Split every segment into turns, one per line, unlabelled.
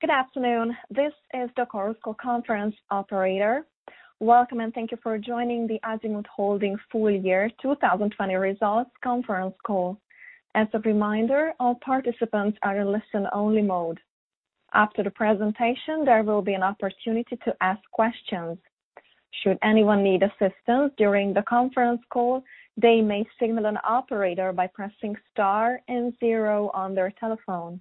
Good afternoon. This is the Chorus Call conference operator. Welcome, and thank you for joining the Azimut Holding Full Year 2020 Results Conference Call. As a reminder, all participants are in listen-only mode. After the presentation, there will be an opportunity to ask questions. Should anyone need assistance during the conference call, they may signal an operator by pressing star and zero on their telephone.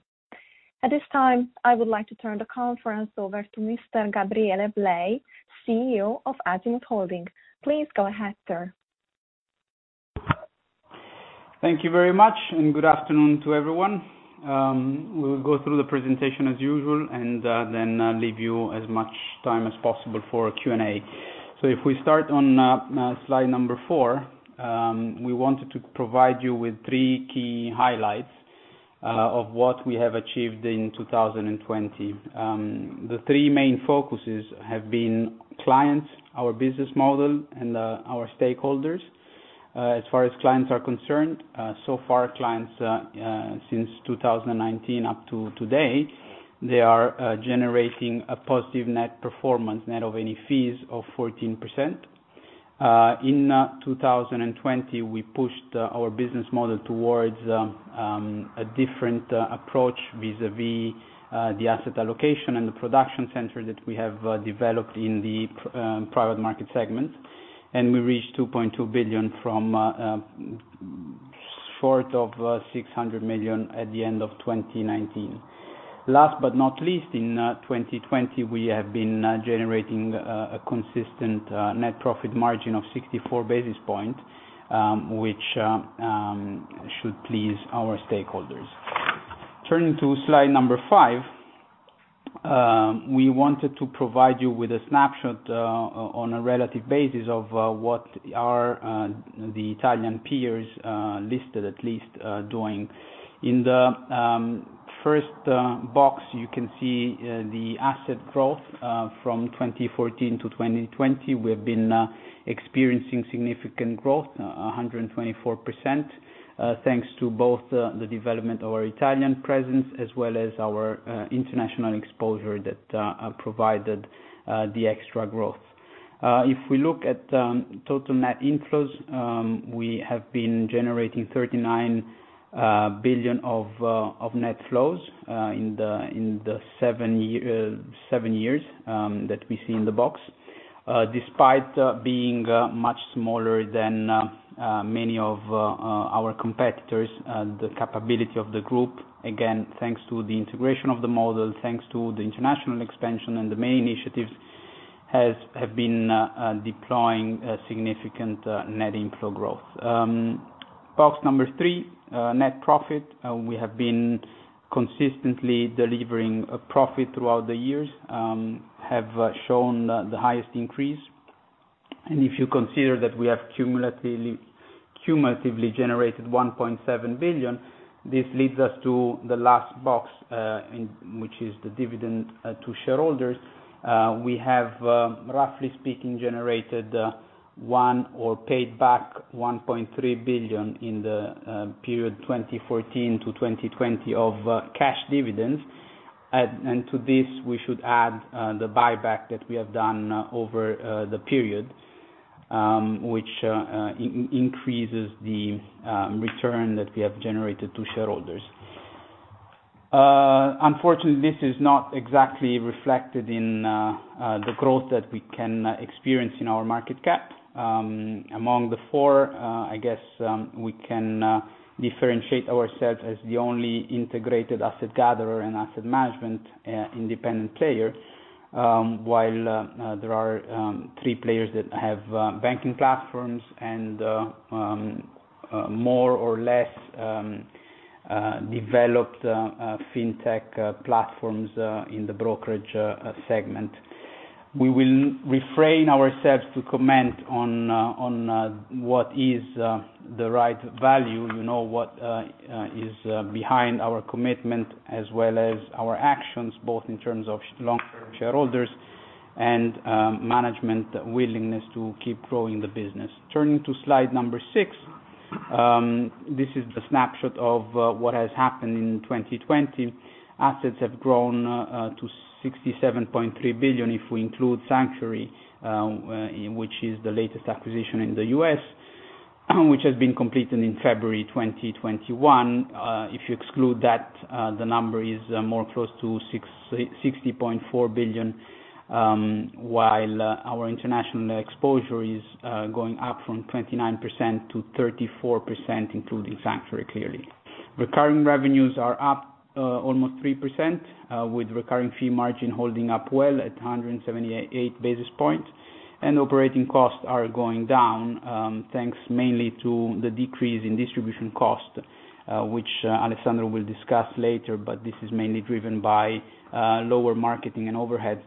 At this time, I would like to turn the conference over to Mr. Gabriele Blei, CEO of Azimut Holding. Please go ahead, sir.
Thank you very much, and good afternoon to everyone. We will go through the presentation as usual, and then leave you as much time as possible for Q&A. If we start on slide four, we wanted to provide you with three key highlights of what we have achieved in 2020. The three main focuses have been clients, our business model, and our stakeholders. As far as clients are concerned, since 2019 up to today, they are generating a positive net performance—net of any fees of 14%. In 2020, we pushed our business model towards a different approach vis-à-vis the asset allocation and the production center that we have developed in the private market segment, and we reached 2.2 billion from short of 600 million at the end of 2019. Last but not least, in 2020, we have been generating a consistent net profit margin of 64 basis points, which should please our stakeholders. Turning to slide number five, we wanted to provide you with a snapshot on a relative basis of what are the Italian peers listed at least doing. In the first box, you can see the asset growth from 2014 to 2020. We have been experiencing significant growth, 124%, thanks to both the development of our Italian presence as well as our international exposure that provided the extra growth. If we look at total net inflows, we have been generating 39 billion of net flows in the seven years that we see in the box. Despite being much smaller than many of our competitors, the capability of the group, again, thanks to the integration of the model, thanks to the international expansion and the main initiatives, have been deploying a significant net inflow growth. Box number three, net profit. We have been consistently delivering a profit throughout the years, have shown the highest increase. If you consider that we have cumulatively generated 1.7 billion, this leads us to the last box, which is the dividend to shareholders. We have, roughly speaking, generated one or paid back 1.3 billion in the period 2014-2020 of cash dividends. To this, we should add the buyback that we have done over the period, which increases the return that we have generated to shareholders. Unfortunately, this is not exactly reflected in the growth that we can experience in our market cap. Among the 4, I guess we can differentiate ourselves as the only integrated asset gatherer and asset management independent player, while there are three players that have banking platforms and more or less developed FinTech platforms in the brokerage segment. We will refrain ourselves to comment on what is the right value, you know what is behind our commitment as well as our actions, both in terms of long-term shareholders and management willingness to keep growing the business. Turning to slide number six, this is the snapshot of what has happened in 2020. Assets have grown to 67.3 billion if we include Sanctuary Wealth, which is the latest acquisition in the U.S., which has been completed in February 2021. If you exclude that, the number is more close to 60.4 billion, while our international exposure is going up from 29% to 34%, including Sanctuary Wealth, clearly. Recurring revenues are up almost 3%, with recurring fee margin holding up well at 178 basis points. Operating costs are going down, thanks mainly to the decrease in distribution cost, which Alessandro will discuss later. This is mainly driven by lower marketing and overhead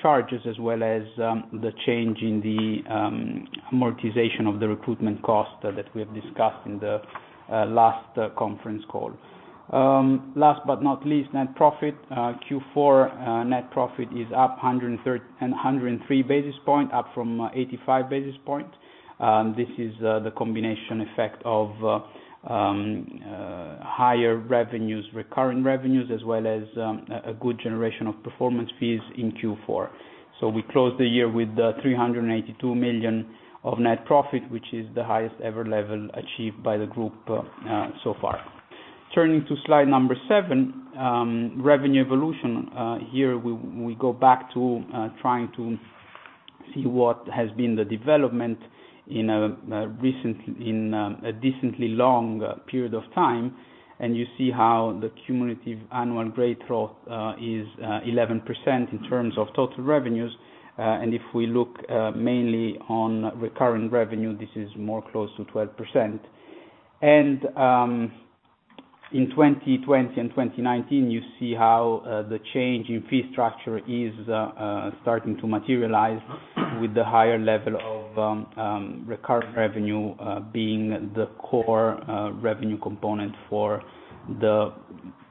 charges, as well as the change in the amortization of the recruitment cost that we have discussed in the last conference call. Last but not least, net profit. Q4 net profit is up 103 basis point, up from 85 basis point. This is the combination effect of Higher revenues, recurring revenues, as well as a good generation of performance fees in Q4. We closed the year with 382 million of net profit, which is the highest ever level achieved by the group so far. Turning to slide number seven, revenue evolution. Here, we go back to trying to see what has been the development in a decently long period of time, and you see how the cumulative annual rate growth is 11% in terms of total revenues. If we look mainly on recurring revenue, this is more close to 12%. In 2020 and 2019, you see how the change in fee structure is starting to materialize with the higher level of recurring revenue being the core revenue component for the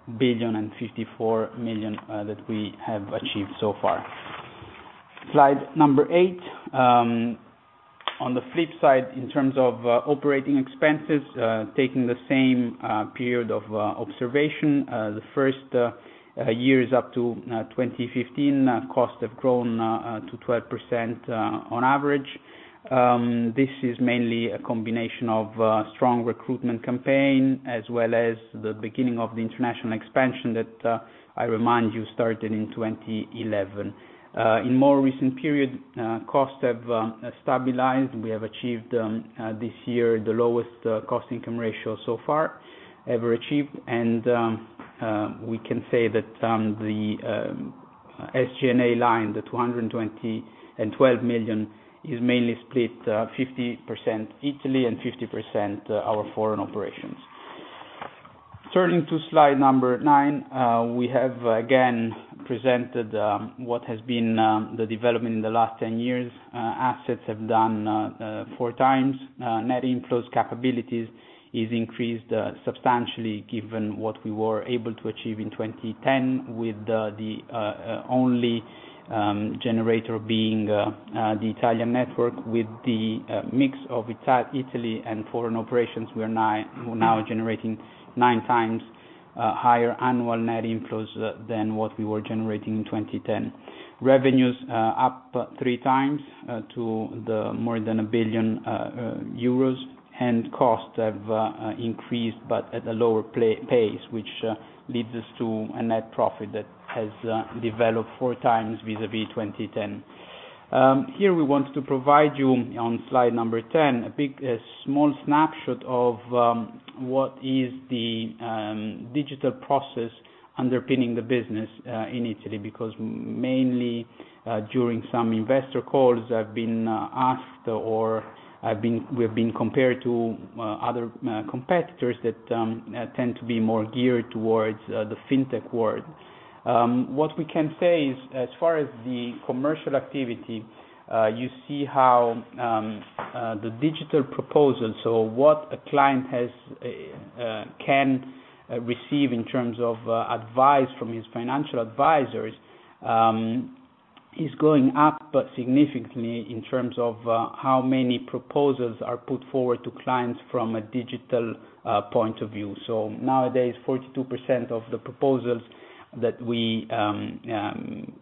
1 billion and 54 million that we have achieved so far. Slide number eight. On the flip side, in terms of operating expenses, taking the same period of observation, the first years up to 2015, costs have grown to 12% on average. This is mainly a combination of strong recruitment campaign, as well as the beginning of the international expansion that, I remind you, started in 2011. In more recent period, costs have stabilized. We have achieved this year, the lowest cost-income ratio so far ever achieved. We can say that the SG&A line, the 212 million, is mainly split 50% Italy and 50% our foreign operations. Turning to slide number nine. We have, again, presented what has been the development in the last 10 years. Assets have done four times. Net inflows capabilities is increased substantially, given what we were able to achieve in 2010 with the only generator being the Italian network. With the mix of Italy and foreign operations, we are now generating nine times higher annual net inflows than what we were generating in 2010. Revenues up three times to more than 1 billion euros, and costs have increased, but at a lower pace, which leads us to a net profit that has developed four times vis-à-vis 2010. Here we want to provide you, on slide number 10, a small snapshot of what is the digital process underpinning the business in Italy. Mainly during some investor calls, I've been asked or we've been compared to other competitors that tend to be more geared towards the Fintech world. What we can say is, as far as the commercial activity, you see how the digital proposal, so what a client can receive in terms of advice from his financial advisors is going up, but significantly in terms of how many proposals are put forward to clients from a digital point of view. Nowadays, 42% of the proposals that we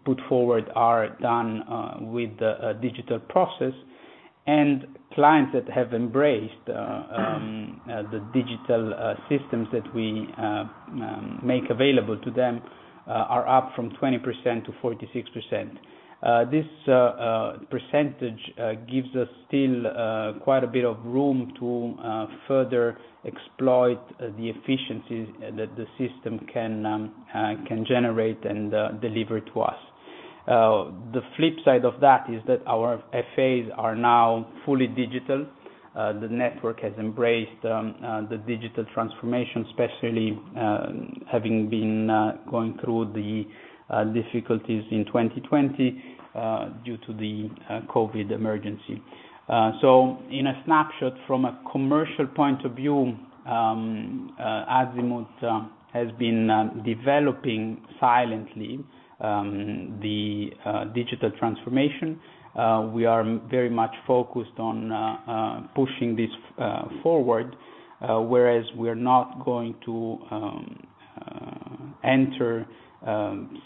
put forward are done with a digital process. Clients that have embraced the digital systems that we make available to them are up from 20% to 46%. This percentage gives us still quite a bit of room to further exploit the efficiencies that the system can generate and deliver to us. The flip side of that is that our FAs are now fully digital. The network has embraced the digital transformation, especially having been going through the difficulties in 2020 due to the COVID emergency. In a snapshot, from a commercial point of view, Azimut has been developing silently the digital transformation. We are very much focused on pushing this forward, whereas we're not going to enter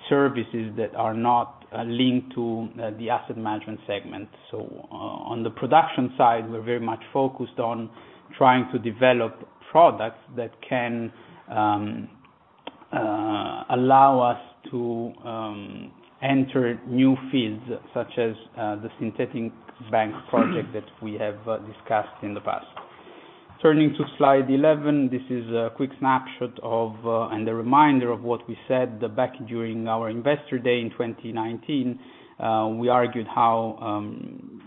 services that are not linked to the asset management segment. On the production side, we're very much focused on trying to develop products that can allow us to enter new fields, such as the synthetic bank project that we have discussed in the past. Turning to slide 11. This is a quick snapshot of, and a reminder of what we said back during our investor day in 2019. We argued how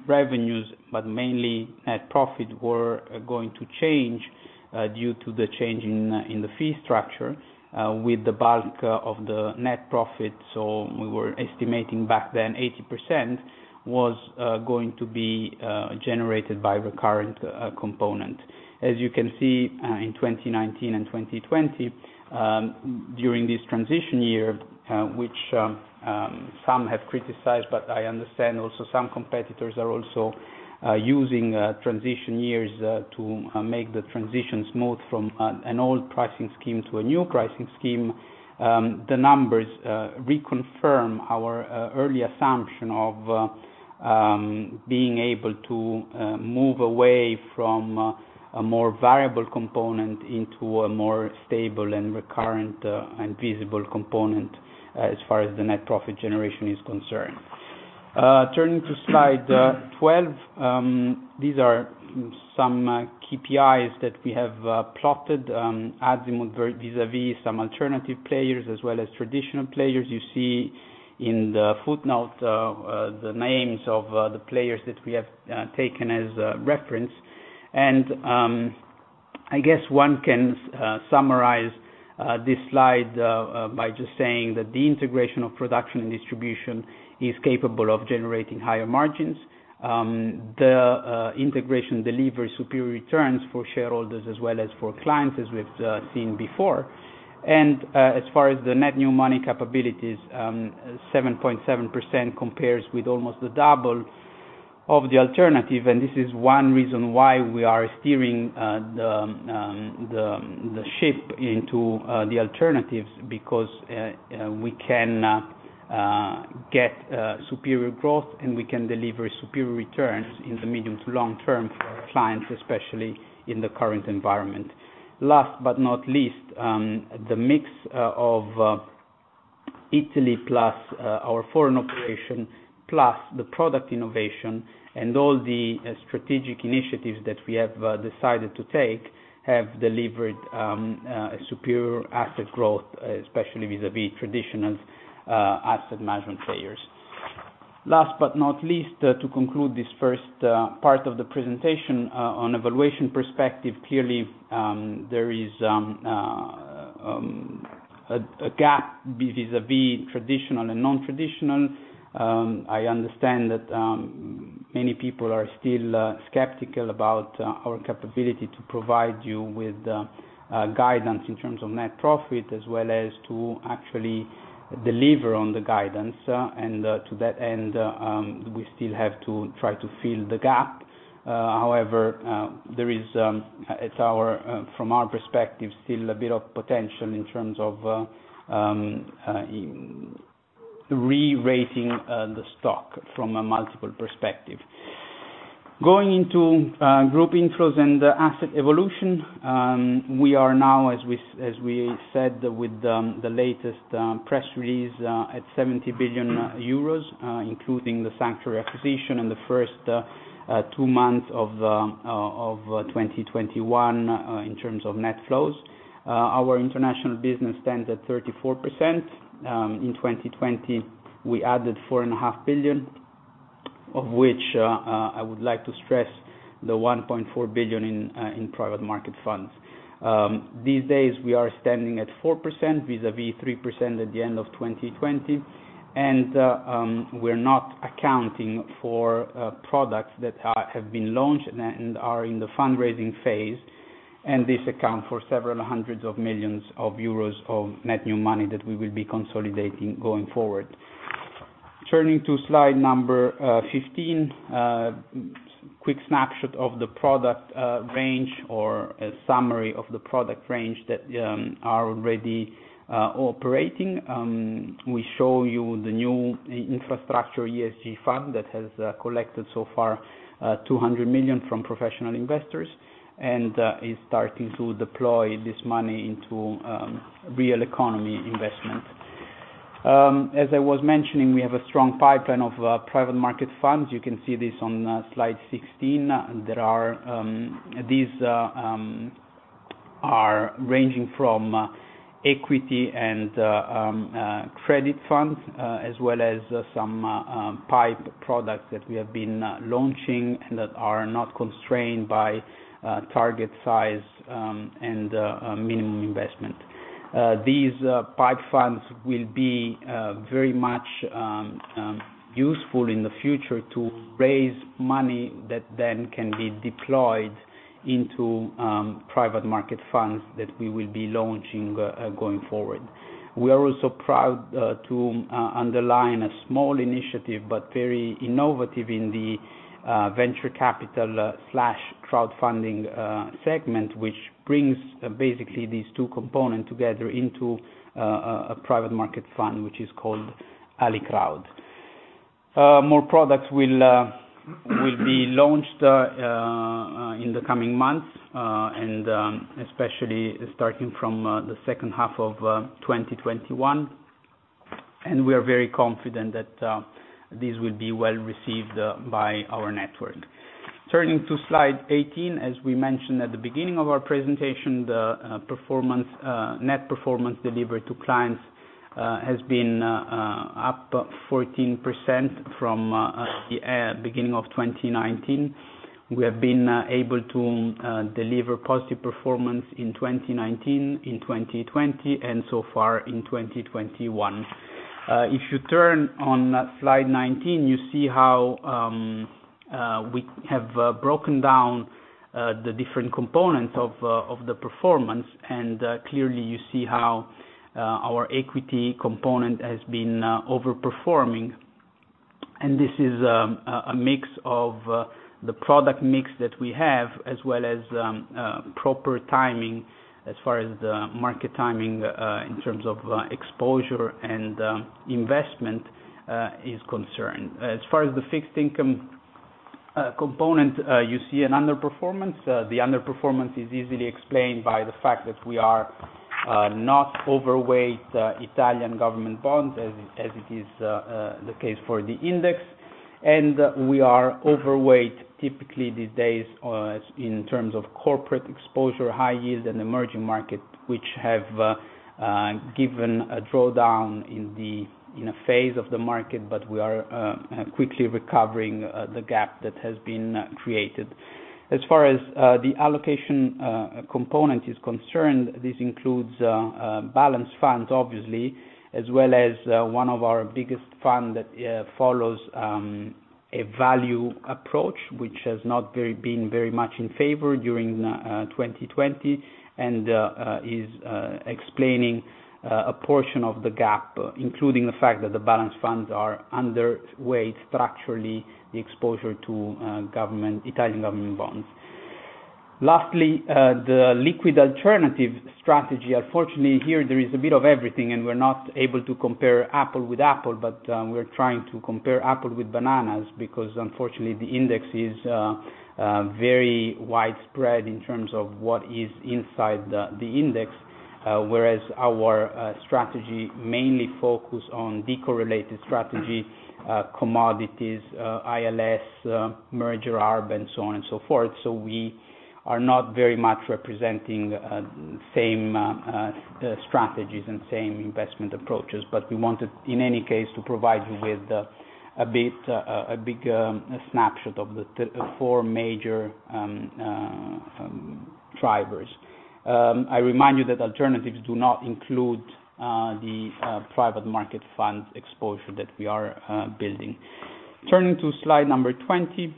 revenues, but mainly net profit, were going to change due to the change in the fee structure, with the bulk of the net profit. We were estimating back then 80% was going to be generated by recurring component. As you can see, in 2019 and 2020. During this transition year, which some have criticized, but I understand also some competitors are also using transition years to make the transition smooth from an old pricing scheme to a new pricing scheme. The numbers reconfirm our early assumption of being able to move away from a more variable component into a more stable and recurrent and visible component as far as the net profit generation is concerned. Turning to slide 12, these are some KPIs that we have plotted Azimut vis-à-vis some alternative players as well as traditional players. You see in the footnote the names of the players that we have taken as reference. I guess one can summarize this slide by just saying that the integration of production and distribution is capable of generating higher margins. The integration delivers superior returns for shareholders as well as for clients, as we have seen before. As far as the net new money capabilities, 7.7% compares with almost the double of the alternative. This is one reason why we are steering the ship into the alternatives, because we can get superior growth, and we can deliver superior returns in the medium to long term for our clients, especially in the current environment. Last but not least, the mix of Italy plus our foreign operation, plus the product innovation and all the strategic initiatives that we have decided to take have delivered a superior asset growth, especially vis-à-vis traditional asset management players. Last but not least, to conclude this first part of the presentation. On a valuation perspective, clearly there is a gap vis-à-vis traditional and non-traditional. I understand that many people are still skeptical about our capability to provide you with guidance in terms of net profit as well as to actually deliver on the guidance. To that end, we still have to try to fill the gap. However, there is, from our perspective, still a bit of potential in terms of re-rating the stock from a multiple perspective. Going into group inflows and asset evolution. We are now, as we said with the latest press release, at 70 billion euros, including the Sanctuary acquisition in the first two months of 2021 in terms of net flows. Our international business stands at 34%. In 2020, we added 4.5 billion, of which I would like to stress the 1.4 billion in private market funds. These days, we are standing at 4% vis-à-vis 3% at the end of 2020. We're not accounting for products that have been launched and are in the fundraising phase. This accounts for several hundreds of millions of EUR of net new money that we will be consolidating going forward. Turning to slide number 15. A quick snapshot of the product range, or a summary of the product range that are already operating. We show you the new Infrastructure for Growth-ESG fund that has collected so far 200 million from professional investors and is starting to deploy this money into real economy investment. As I was mentioning, we have a strong pipeline of private market funds. You can see this on slide 16. These are ranging from equity and credit funds as well as some PIPE products that we have been launching and that are not constrained by target size and minimum investment. These PIPE funds will be very much useful in the future to raise money that then can be deployed into private market funds that we will be launching going forward. We are also proud to underline a small initiative, but very innovative in the venture capital/crowdfunding segment, which brings basically these two components together into a private market fund, which is called ALIcrowd. More products will be launched in the coming months, especially starting from the second half of 2021. We are very confident that these will be well received by our network. Turning to slide 18. As we mentioned at the beginning of our presentation, the net performance delivered to clients has been up 14% from the beginning of 2019. We have been able to deliver positive performance in 2019, in 2020, and so far in 2021. If you turn on slide 19, you see how we have broken down the different components of the performance, and clearly you see how our equity component has been over-performing. This is a mix of the product mix that we have, as well as proper timing as far as the market timing in terms of exposure and investment is concerned. As far as the fixed income component, you see an underperformance. The underperformance is easily explained by the fact that we are not overweight Italian government bonds as it is the case for the index, and we are overweight, typically these days, in terms of corporate exposure, high yield, and emerging market, which have given a drawdown in a phase of the market, but we are quickly recovering the gap that has been created. As far as the allocation component is concerned, this includes balance funds, obviously, as well as one of our biggest fund that follows a value approach, which has not been very much in favor during 2020, and is explaining a portion of the gap, including the fact that the balance funds are underweight structurally the exposure to Italian government bonds. Lastly, the liquid alternative strategy. Unfortunately, here there is a bit of everything, and we're not able to compare apple with apple, but we're trying to compare apple with bananas because unfortunately the index is very widespread in terms of what is inside the index. Whereas our strategy mainly focus on de-correlated strategy, commodities, ILS, merger arb, and so on and so forth. We are not very much representing same strategies and same investment approaches. We wanted, in any case, to provide you with a big snapshot of the four major drivers. I remind you that alternatives do not include the private market funds exposure that we are building. Turning to slide number 20,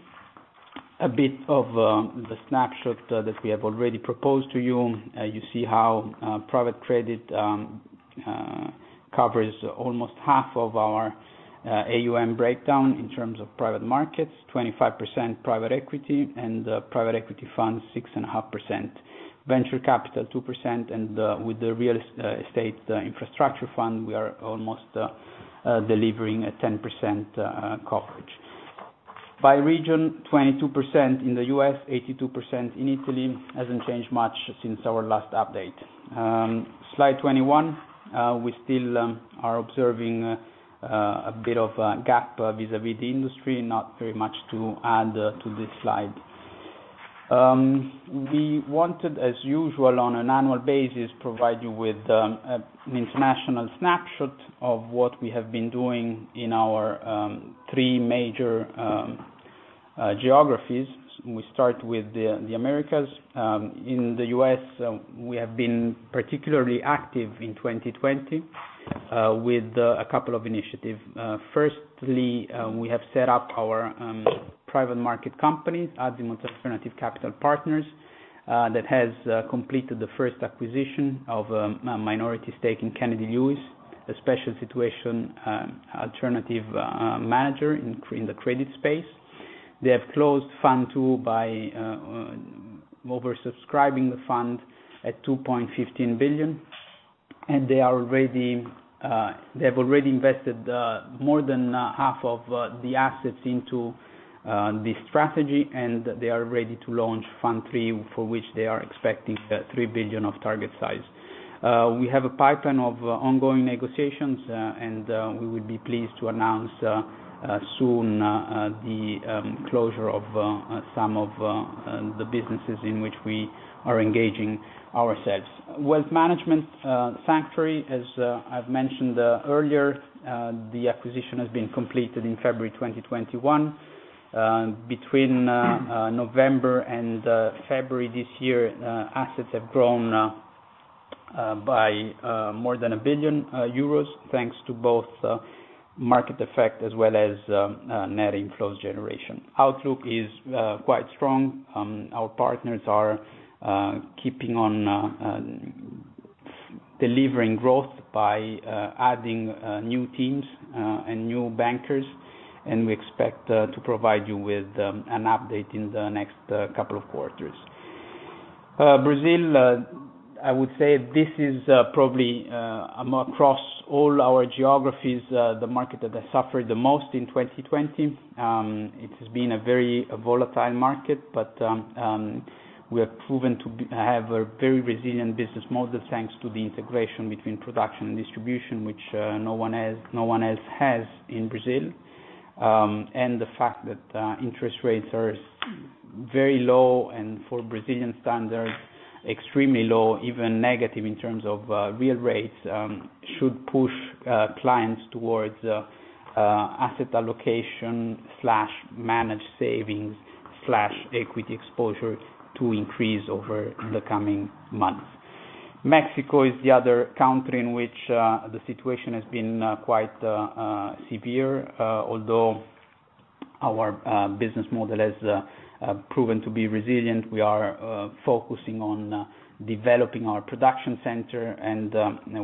a bit of the snapshot that we have already proposed to you. You see how private credit covers almost half of our AUM breakdown in terms of private markets, 25% private equity, and private equity funds 6.5%, venture capital 2%, and with the real estate infrastructure fund, we are almost delivering a 10% coverage. By region, 22% in the U.S., 82% in Italy. Hasn't changed much since our last update. Slide 21. We still are observing a bit of a gap vis-à-vis the industry. Not very much to add to this slide. We wanted, as usual, on an annual basis, provide you with an international snapshot of what we have been doing in our three major geographies. We start with the Americas. In the U.S., we have been particularly active in 2020 with a couple of initiatives. Firstly, we have set up our private market company, Azimut Alternative Capital Partners, that has completed the first acquisition of a minority stake in Kennedy Lewis, a special situation alternative manager in the credit space. They have closed Fund 2 by oversubscribing the fund at 2.15 billion, and they have already invested more than half of the assets into this strategy, and they are ready to launch Fund 3, for which they are expecting 3 billion of target size. We have a pipeline of ongoing negotiations, and we would be pleased to announce soon the closure of some of the businesses in which we are engaging ourselves. Sanctuary Wealth, as I've mentioned earlier, the acquisition has been completed in February 2021. Between November and February this year, assets have grown by more than 1 billion euros, thanks to both market effect as well as net inflows generation. Outlook is quite strong. Our partners are keeping on delivering growth by adding new teams and new bankers, and we expect to provide you with an update in the next couple of quarters. Brazil, I would say this is probably across all our geographies, the market that has suffered the most in 2020. It has been a very volatile market, but we have proven to have a very resilient business model thanks to the integration between production and distribution, which no one else has in Brazil. The fact that interest rates are very low, and for Brazilian standards, extremely low, even negative in terms of real rates, should push clients towards asset allocation/managed savings/equity exposure to increase over the coming months. Mexico is the other country in which the situation has been quite severe, although our business model has proven to be resilient. We are focusing on developing our production center, and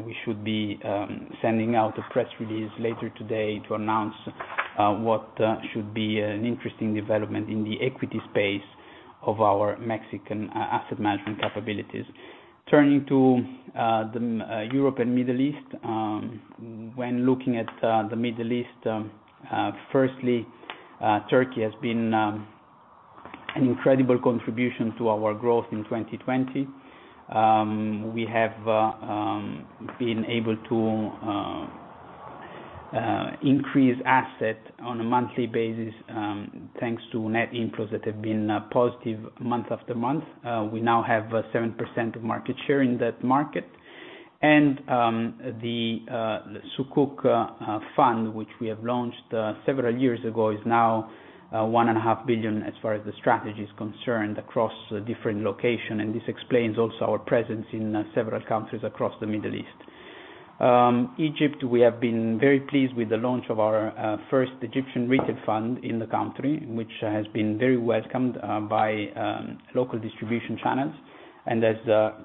we should be sending out a press release later today to announce what should be an interesting development in the equity space of our Mexican asset management capabilities. Turning to the Europe and Middle East. When looking at the Middle East, firstly, Turkey has been an incredible contribution to our growth in 2020. We have been able to increase asset on a monthly basis thanks to net inflows that have been positive month after month. We now have 7% of market share in that market. The Sukuk Fund, which we have launched several years ago, is now 1.5 billion as far as the strategy is concerned across different location, and this explains also our presence in several countries across the Middle East. Egypt, we have been very pleased with the launch of our first Egyptian retail fund in the country, which has been very welcomed by local distribution channels and has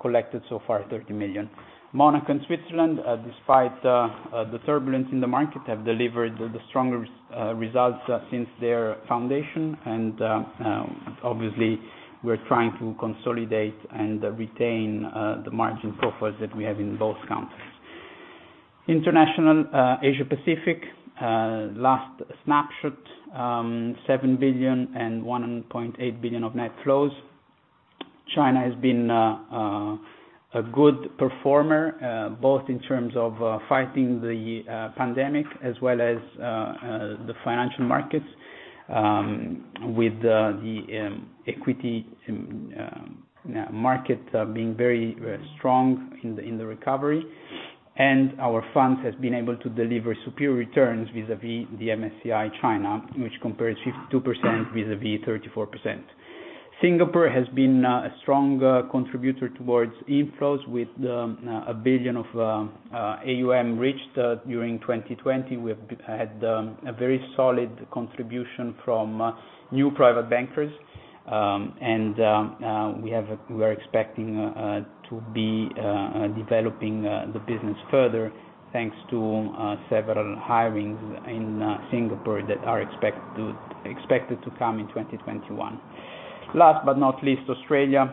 collected so far 30 million. Monaco and Switzerland, despite the turbulence in the market, have delivered the strongest results since their foundation. Obviously, we're trying to consolidate and retain the margin profiles that we have in both countries. International Asia Pacific, last snapshot, 7 billion and 1.8 billion of net flows. China has been a good performer, both in terms of fighting the pandemic as well as the financial markets, with the equity market being very strong in the recovery. Our funds has been able to deliver superior returns vis-à-vis the MSCI China, which compares 52% vis-à-vis 34%. Singapore has been a strong contributor towards inflows with 1 billion of AUM reached during 2020. We have had a very solid contribution from new private bankers. We are expecting to be developing the business further, thanks to several hirings in Singapore that are expected to come in 2021. Last but not least, Australia.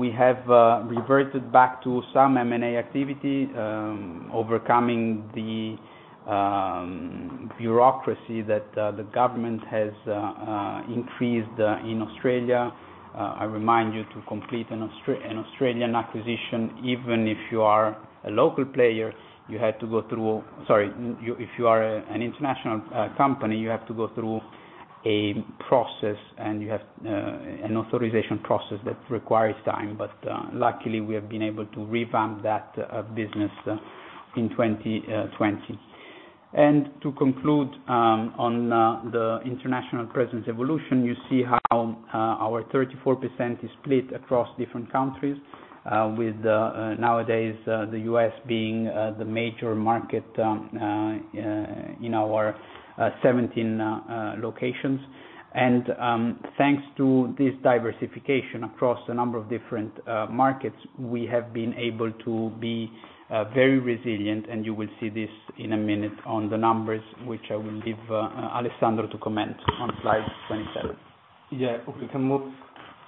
We have reverted back to some M&A activity, overcoming the bureaucracy that the government has increased in Australia. I remind you to complete an Australian acquisition, even if you are a local player, you have to go through if you are an international company, you have to go through a process, and you have an authorization process that requires time. Luckily, we have been able to revamp that business in 2020. To conclude on the international presence evolution, you see how our 34% is split across different countries, with nowadays the U.S. being the major market in our 17 locations. Thanks to this diversification across a number of different markets, we have been able to be very resilient, and you will see this in a minute on the numbers, which I will give Alessandro to comment on slide 27.
If we can move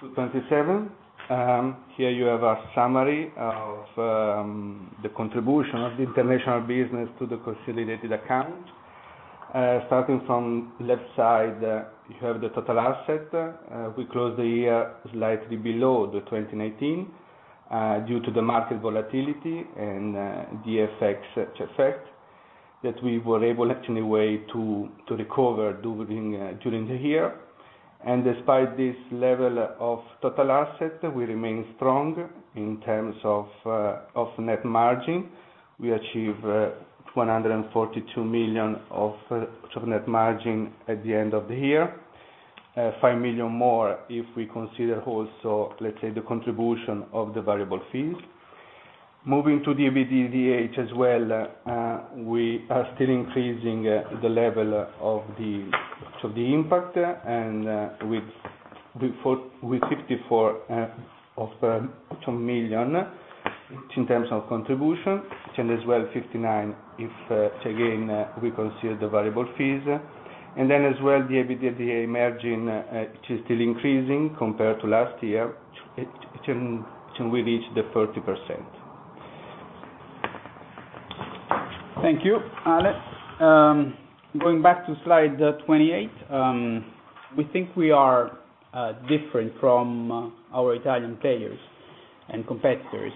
to 27. Here you have a summary of the contribution of the international business to the consolidated account. Starting from left side, you have the total asset. We closed the year slightly below the 2019 due to the market volatility and the effect, such effect, that we were able, actually, in a way to recover during the year. Despite this level of total asset, we remain strong in terms of net margin. We achieve 142 million of net margin at the end of the year, 5 million more if we consider also, let's say, the contribution of the variable fees. Moving to the EBITDA as well, we are still increasing the level of the impact, and with 54 million in terms of contribution, and as well 59 million if, again, we consider the variable fees. As well, the EBITDA margin is still increasing compared to last year, till we reach the 30%.
Thank you, Ale. Going back to slide 28. We think we are different from our Italian players and competitors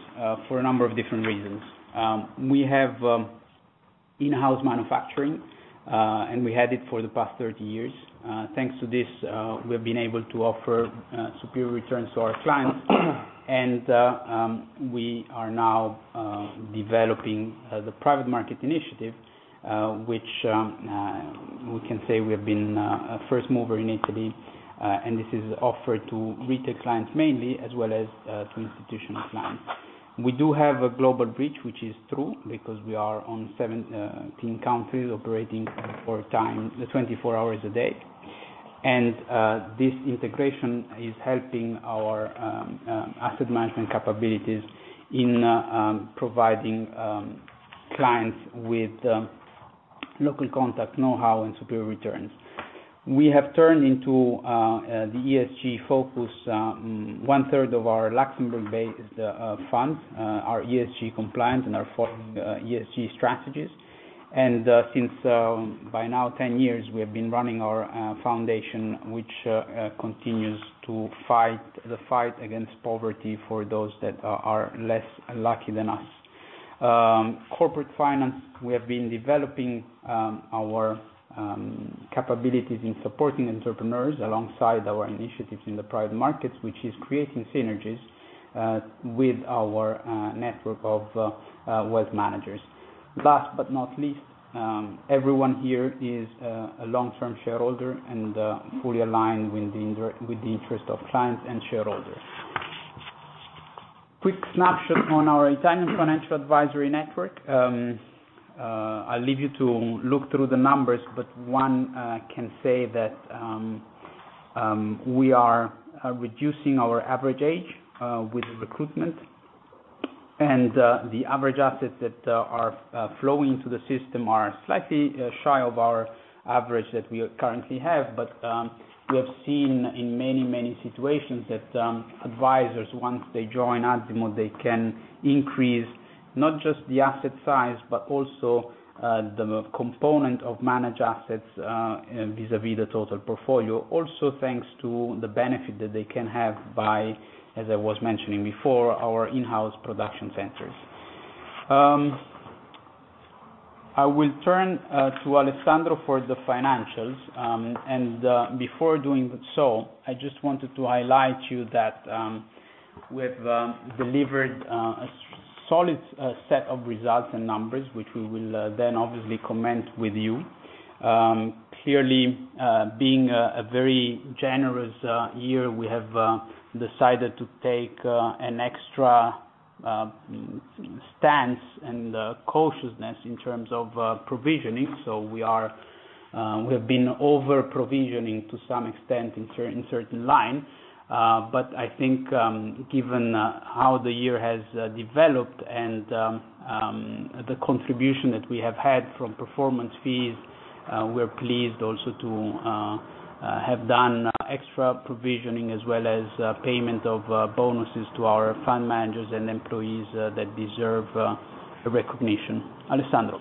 for a number of different reasons. We have in-house manufacturing. We had it for the past 30 years. Thanks to this, we've been able to offer superior returns to our clients. We are now developing the private market initiative, which we can say we have been a first mover in Italy, and this is offered to retail clients mainly as well as to institutional clients. We do have a global reach, which is true because we are on 17 countries operating 24 hours a day. This integration is helping our asset management capabilities in providing clients with local contact know-how and superior returns. We have turned into the ESG focus. 1/3 of our Luxembourg-based funds are ESG-compliant and are following ESG strategies. Since, by now 10 years, we have been running our foundation, which continues to fight the fight against poverty for those that are less lucky than us. Corporate finance, we have been developing our capabilities in supporting entrepreneurs alongside our initiatives in the private markets, which is creating synergies with our network of wealth managers. Last but not least, everyone here is a long-term shareholder and fully aligned with the interest of clients and shareholders. Quick snapshot on our Italian financial advisory network. I leave you to look through the numbers, but one can say that we are reducing our average age with recruitment, and the average assets that are flowing into the system are slightly shy of our average that we currently have. We have seen in many, many situations that advisors, once they join Azimut, they can increase not just the asset size, but also the component of managed assets vis-à-vis the total portfolio. Also, thanks to the benefit that they can have by, as I was mentioning before, our in-house production centers. I will turn to Alessandro for the financials. Before doing so, I just wanted to highlight you that we have delivered a solid set of results and numbers, which we will then obviously comment with you. Clearly, being a very generous year, we have decided to take an extra stance and cautiousness in terms of provisioning. We have been over-provisioning to some extent in certain lines. I think given how the year has developed and the contribution that we have had from performance fees, we are pleased also to have done extra provisioning as well as payment of bonuses to our fund managers and employees that deserve a recognition. Alessandro.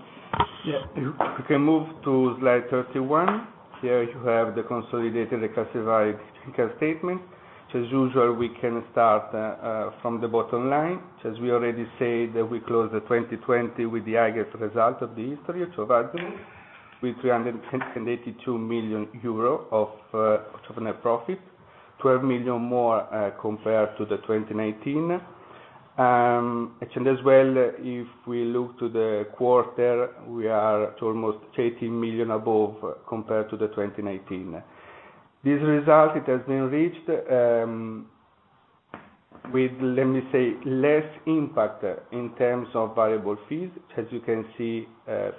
Yeah. We can move to slide 31. Here you have the consolidated classified income statement. As usual, we can start from the bottom line. As we already said, we closed 2020 with the highest result of the history of Azimut, with 382 million euro of net profit, 12 million more compared to the 2019. As well, if we look to the quarter, we are to almost 13 million above compared to the 2019. This result, it has been reached with, let me say, less impact in terms of variable fees, as you can see,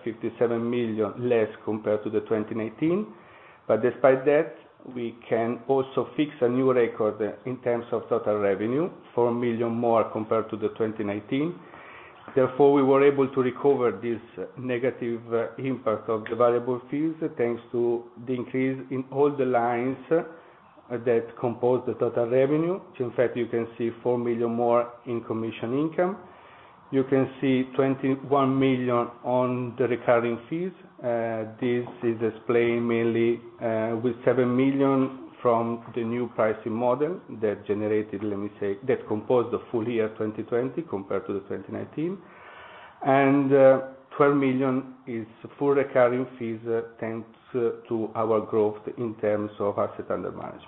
57 million less compared to the 2019. Despite that, we can also fix a new record in terms of total revenue, 4 million more compared to the 2019. We were able to recover this negative impact of the variable fees, thanks to the increase in all the lines that compose the total revenue. You can see 4 million more in commission income. You can see 21 million on the recurring fees. This is explained mainly with 7 million from the new pricing model that composed the full year 2020 compared to the 2019. 12 million is full recurring fees, thanks to our growth in terms of assets under management.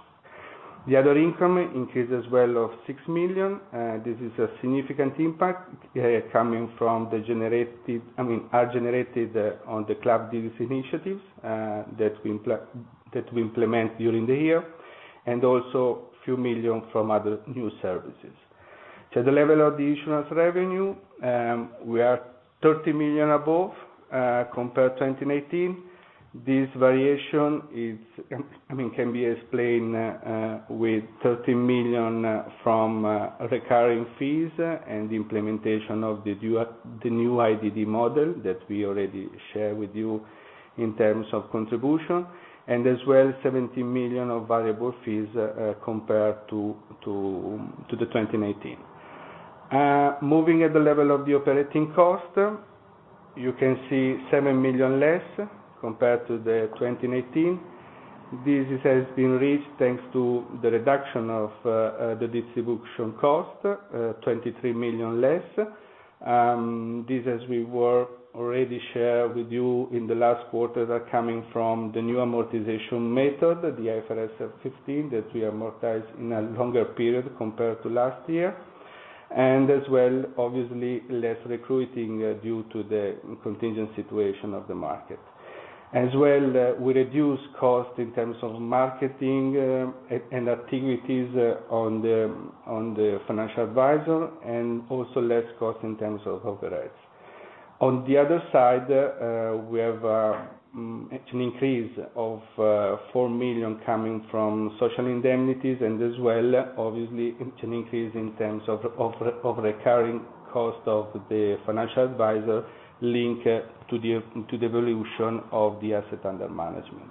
The other income increased as well of 6 million. This is a significant impact are generated on the club deals initiatives that we implement during the year, and also a few million from other new services. The level of the insurance revenue, we are 30 million above compared 2019. This variation can be explained with 30 million from recurring fees and the implementation of the new IDD model that we already share with you in terms of contribution, and as well 17 million of variable fees compared to the 2019. Moving at the level of the operating cost, you can see 7 million less compared to the 2019. This has been reached thanks to the reduction of the distribution cost, 23 million less. This, as we already share with you in the last quarter, that coming from the new amortization method, the IFRS 15, that we amortize in a longer period compared to last year. As well, obviously, less recruiting due to the contingent situation of the market. As well, we reduce cost in terms of marketing and activities on the financial advisor, and also less cost in terms of overheads. On the other side, we have an increase of 4 million coming from social indemnities, and as well, obviously, an increase in terms of recurring cost of the financial advisor linked to the evolution of the asset under management.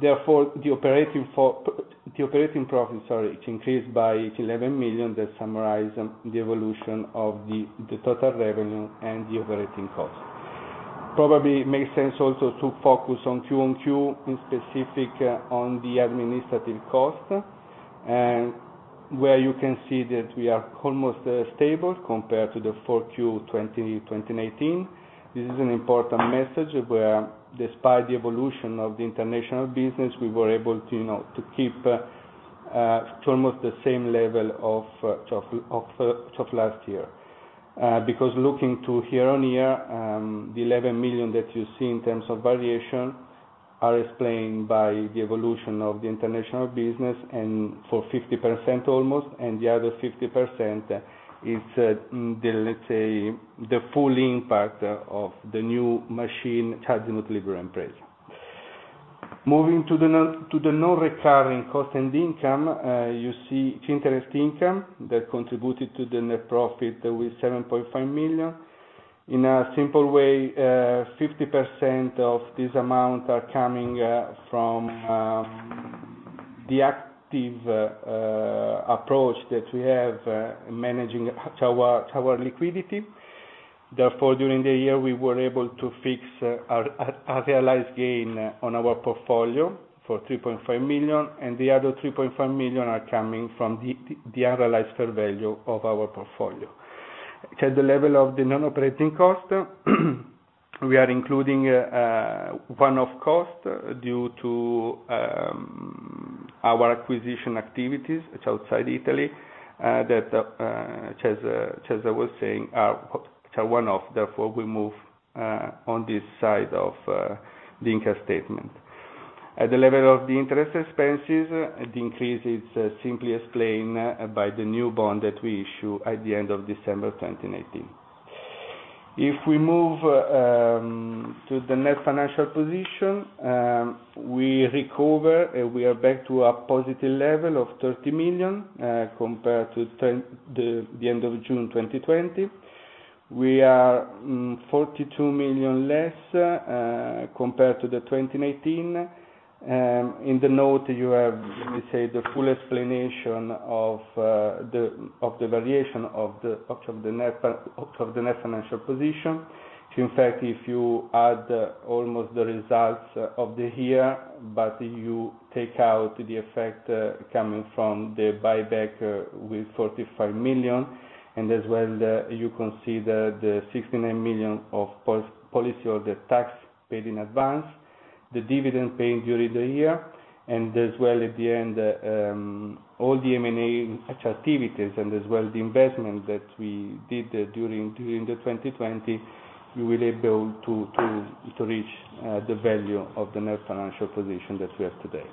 The operating profit, it increased by 11 million. That summarizes the evolution of the total revenue and the operating cost. Probably, it makes sense also to focus on Q on Q, in specific, on the administrative cost, where you can see that we are almost stable compared to the 4Q 2018. This is an important message where, despite the evolution of the international business, we were able to keep to almost the same level of last year. Because looking to year-on-year, the 11 million that you see in terms of variation are explained by the evolution of the international business, and for 50% almost, and the other 50% is, let's say, the full impact of the new machine, Azimut Libera Impresa. Moving to the non-recurring cost and income, you see the interest income that contributed to the net profit with 7.5 million. In a simple way, 50% of this amount are coming from the active approach that we have managing our liquidity. Therefore, during the year, we were able to fix our realized gain on our portfolio for 3.5 million, and the other 3.5 million are coming from the unrealized fair value of our portfolio. At the level of the non-operating cost, we are including one-off cost due to our acquisition activities outside Italy, that Cesare was saying are one-off, therefore will move on this side of the income statement. At the level of the interest expenses, the increase is simply explained by the new bond that we issue at the end of December 2018. If we move to the net financial position, we recover, we are back to a positive level of 30 million compared to the end of June 2020. We are 42 million less compared to the 2019. In the note, you have the full explanation of the variation of the net financial position. If you add almost the results of the year, but you take out the effect coming from the buyback with 45 million, and as well, you consider the 69 million of policy or the tax paid in advance, the dividend paid during the year, and as well at the end, all the M&A activities, and as well the investment that we did during the 2020, we were able to reach the value of the net financial position that we have today.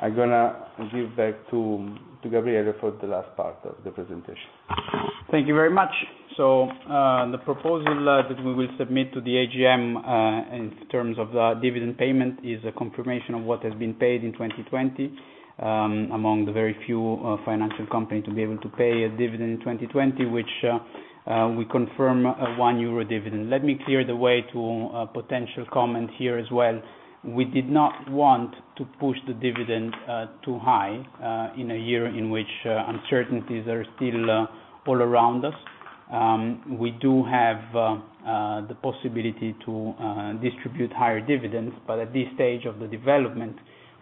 I'm going to give back to Gabriele for the last part of the presentation.
Thank you very much. The proposal that we will submit to the AGM in terms of the dividend payment is a confirmation of what has been paid in 2020. Among the very few financial companies to be able to pay a dividend in 2020, which we confirm a 1 euro dividend. Let me clear the way to a potential comment here as well. We did not want to push the dividend too high in a year in which uncertainties are still all around us. We do have the possibility to distribute higher dividends, but at this stage of the development,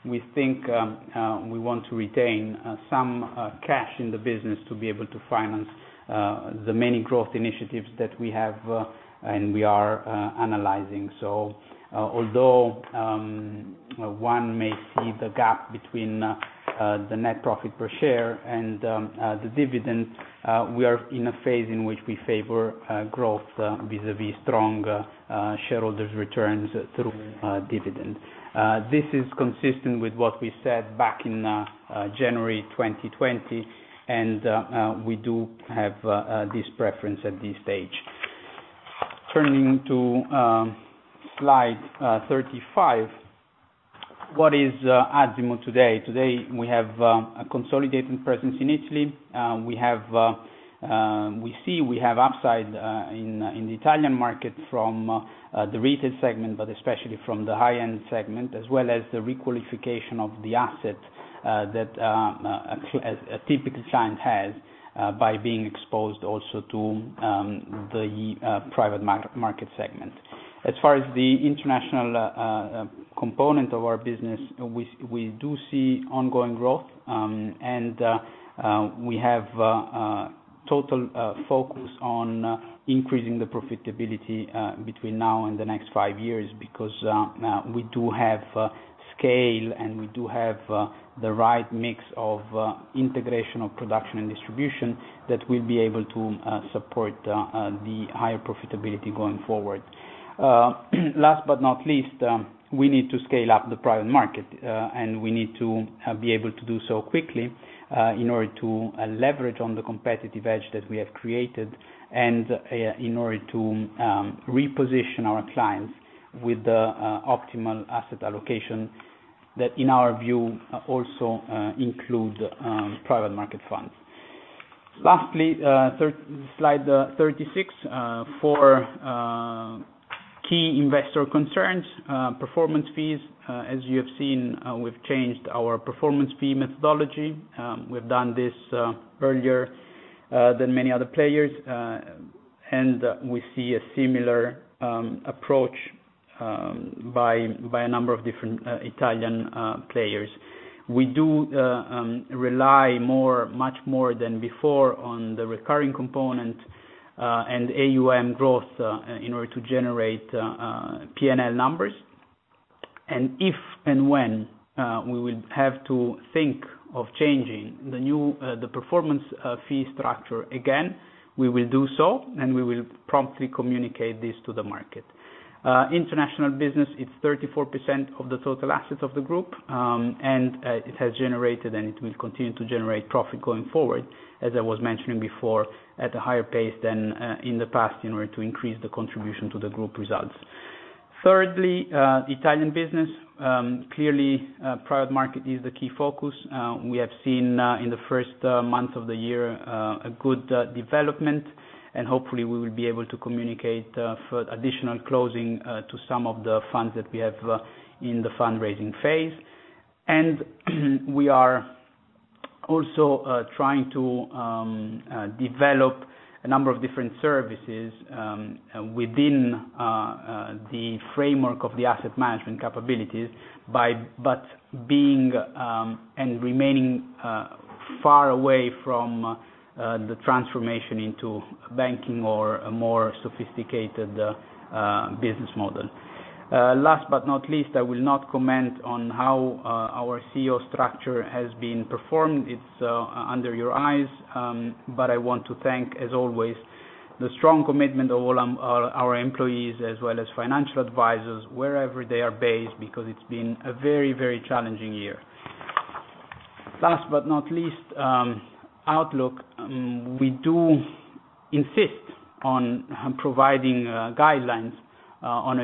we think we want to retain some cash in the business to be able to finance the many growth initiatives that we have, and we are analyzing. Although one may see the gap between the net profit per share and the dividend, we are in a phase in which we favor growth vis-à-vis stronger shareholders' returns through dividend. This is consistent with what we said back in January 2020, and we do have this preference at this stage. Turning to slide 35, what is Azimut today? Today, we have a consolidated presence in Italy. We see we have upside in the Italian market from the retail segment, but especially from the high-end segment, as well as the re-qualification of the asset that a typical client has by being exposed also to the private market segment. As far as the international component of our business, we do see ongoing growth, and we have total focus on increasing the profitability between now and the next five years, because we do have scale, and we do have the right mix of integration of production and distribution that will be able to support the higher profitability going forward. Last but not least, we need to scale up the private market, and we need to be able to do so quickly in order to leverage on the competitive edge that we have created, and in order to reposition our clients with the optimal asset allocation that in our view also include private market funds. Lastly, slide 36. For key investor concerns, performance fees, as you have seen, we've changed our performance fee methodology. We've done this earlier than many other players, and we see a similar approach by a number of different Italian players. We do rely much more than before on the recurring component, and AUM growth in order to generate P&L numbers. If and when we will have to think of changing the performance fee structure again, we will do so, and we will promptly communicate this to the market. International business, it's 34% of the total assets of the group, and it has generated, and it will continue to generate profit going forward, as I was mentioning before, at a higher pace than in the past in order to increase the contribution to the group results. Thirdly, the Italian business. Clearly, private market is the key focus. We have seen in the first month of the year a good development. Hopefully we will be able to communicate for additional closing to some of the funds that we have in the fundraising phase. We are also trying to develop a number of different services within the framework of the asset management capabilities, but being and remaining far away from the transformation into banking or a more sophisticated business model. Last but not least, I will not comment on how our CEO structure has been performed. It's under your eyes. I want to thank, as always, the strong commitment of all our employees as well as financial advisors wherever they are based, because it's been a very, very challenging year. Last but not least, outlook. We do insist on providing guidelines on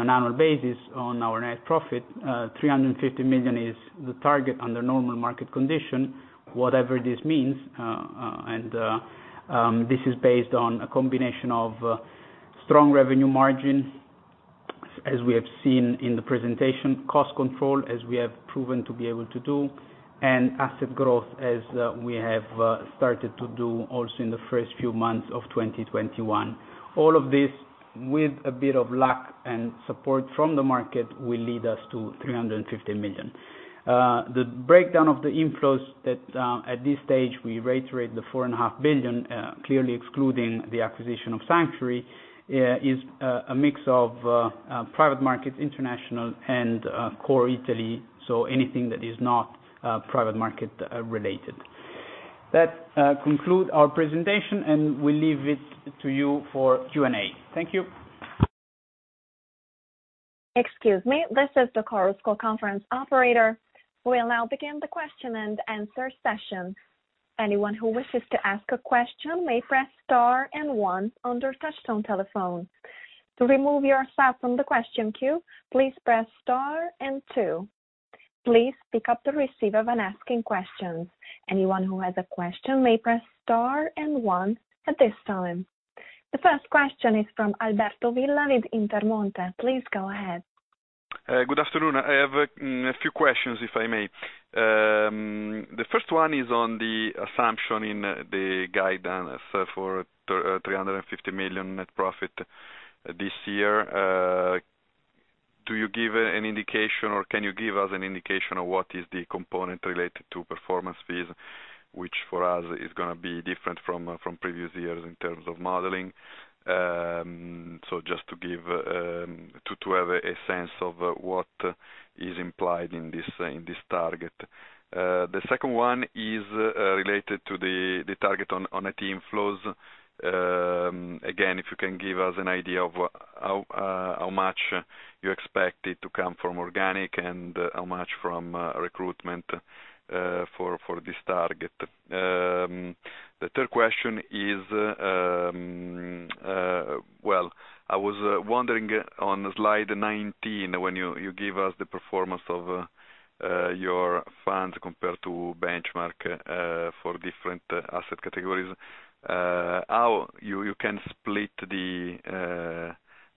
an annual basis on our net profit. 350 million is the target under normal market condition, whatever this means. This is based on a combination of strong revenue margin, as we have seen in the presentation, cost control, as we have proven to be able to do, and asset growth, as we have started to do also in the first few months of 2021. All of this with a bit of luck and support from the market will lead us to 350 million. The breakdown of the inflows that at this stage we reiterate the 4.5 billion, clearly excluding the acquisition of Sanctuary Wealth, is a mix of private markets, international, and core Italy, so anything that is not private market-related. That conclude our presentation, and we leave it to you for Q&A. Thank you.
We will now begin the question-and-answer session. Anyone who wishes to ask a question may press star and one on their touchtone telephone. To remove yourself from the question queue, please press star and two. Please pick up the receiver when asking questions. Anyone who has a question may press star and one at this time. The first question is from Alberto Villa with Intermonte. Please go ahead.
Good afternoon. I have a few questions, if I may. The first one is on the assumption in the guidance for 350 million net profit this year. Do you give an indication or can you give us an indication of what is the component related to performance fees, which for us is going to be different from previous years in terms of modeling? Just to have a sense of what is implied in this target. The second one is related to the target on net inflows. If you can give us an idea of how much you expect it to come from organic and how much from recruitment for this target. The third question is, well, I was wondering on slide 19 when you give us the performance of your funds compared to benchmark for different asset categories, how you can split the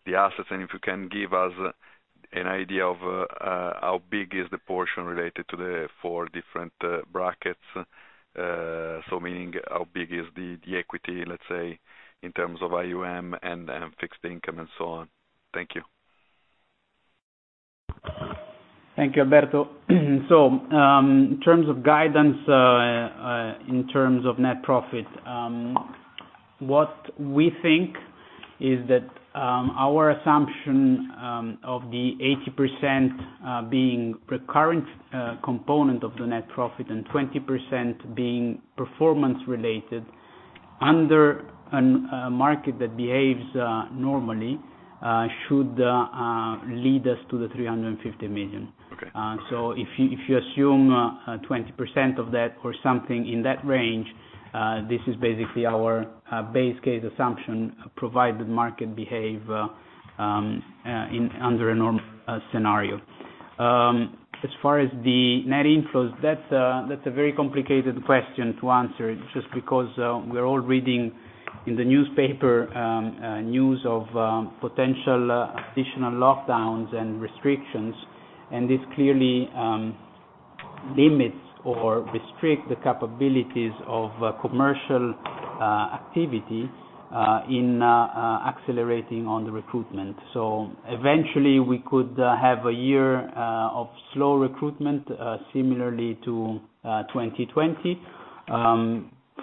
assets, and if you can give us an idea of how big is the portion related to the four different brackets. Meaning how big is the equity, let's say, in terms of AUM and fixed income and so on. Thank you.
Thank you, Alberto. In terms of guidance in terms of net profit. What we think is that our assumption of the 80% being recurrent component of the net profit and 20% being performance-related, under a market that behaves normally, should lead us to 350 million.
Okay.
If you assume 20% of that or something in that range, this is basically our base case assumption, provided market behave under a normal scenario. As far as the net inflows, that's a very complicated question to answer, just because we're all reading in the newspaper, news of potential additional lockdowns and restrictions, and this clearly limits or restricts the capabilities of commercial activity in accelerating on the recruitment. Eventually, we could have a year of slow recruitment, similarly to 2020.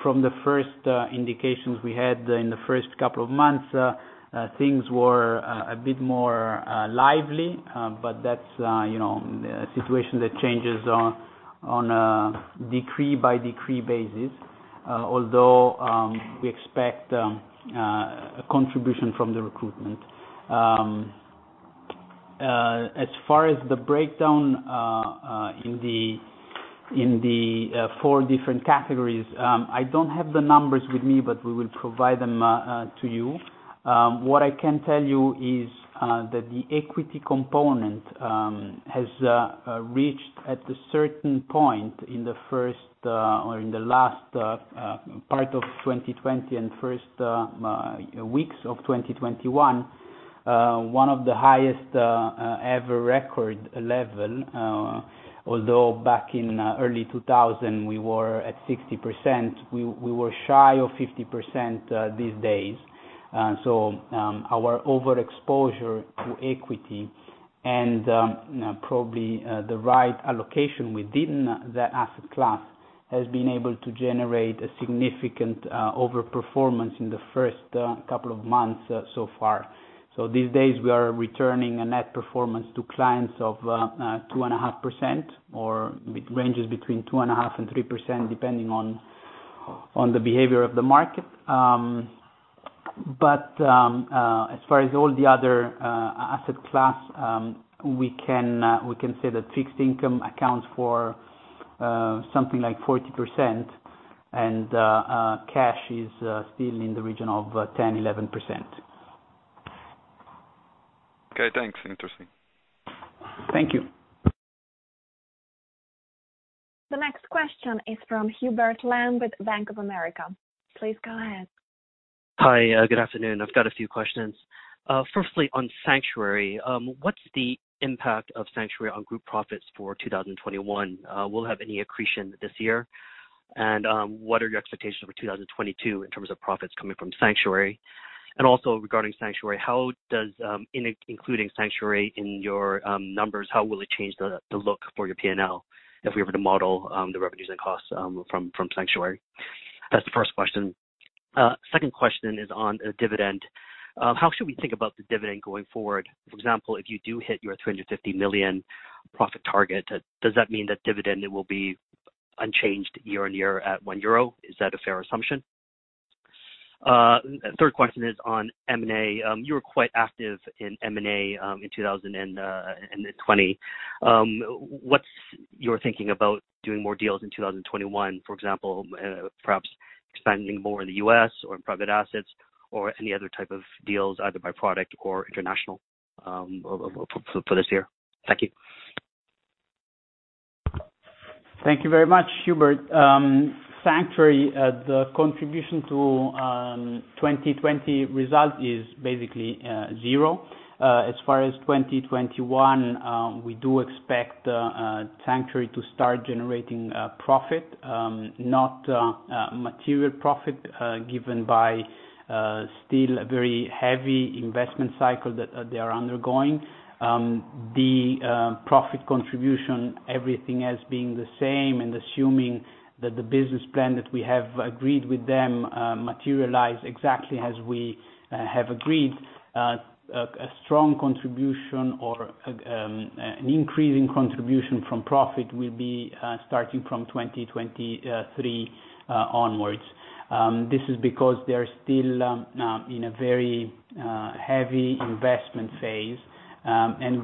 From the first indications we had in the first couple of months, things were a bit more lively. That's a situation that changes on a decree-by-decree basis, although we expect contribution from the recruitment. As far as the breakdown in the four different categories, I don't have the numbers with me, but we will provide them to you. What I can tell you is that the equity component has reached at a certain point in the last part of 2020 and first weeks of 2021, one of the highest ever record level. Although back in early 2000, we were at 60%, we were shy of 50% these days. So, our over-exposure to equity and, probably the right allocation within that asset class, has been able to generate a significant over-performance in the first couple of months so far. So these days, we are returning a net performance to clients of 2.5% or ranges between 2.5% and 3%, depending on the behavior of the market. But, as far as all the other asset class, we can say that fixed income accounts for something like 40%, and cash is still in the region of 10%, 11%.
Okay, thanks. Interesting.
Thank you.
The next question is from Hubert Lam, Bank of America. Please go ahead.
Hi. Good afternoon. I've got a few questions. Firstly, on Sanctuary. What's the impact of Sanctuary on group profits for 2021? Will it have any accretion this year? What are your expectations for 2022 in terms of profits coming from Sanctuary? Also regarding Sanctuary, how does including Sanctuary in your numbers, how will it change the look for your P&L if we were to model the revenues and costs from Sanctuary? That's the first question. Second question is on dividend. How should we think about the dividend going forward? For example, if you do hit your 350 million profit target, does that mean that dividend will be unchanged year on year at 1 euro? Is that a fair assumption? Third question is on M&A. You were quite active in M&A, in 2020. What's your thinking about doing more deals in 2021, for example, perhaps expanding more in the U.S. or in private assets, or any other type of deals, either by product or international, for this year? Thank you.
Thank you very much, Hubert. Sanctuary, the contribution to 2020 result is basically zero. As far as 2021, we do expect Sanctuary to start generating profit. Not material profit, given by still a very heavy investment cycle that they are undergoing. The profit contribution, everything else being the same, and assuming that the business plan that we have agreed with them materialize exactly as we have agreed, a strong contribution or an increase in contribution from profit will be starting from 2023 onwards. This is because they're still in a very heavy investment phase.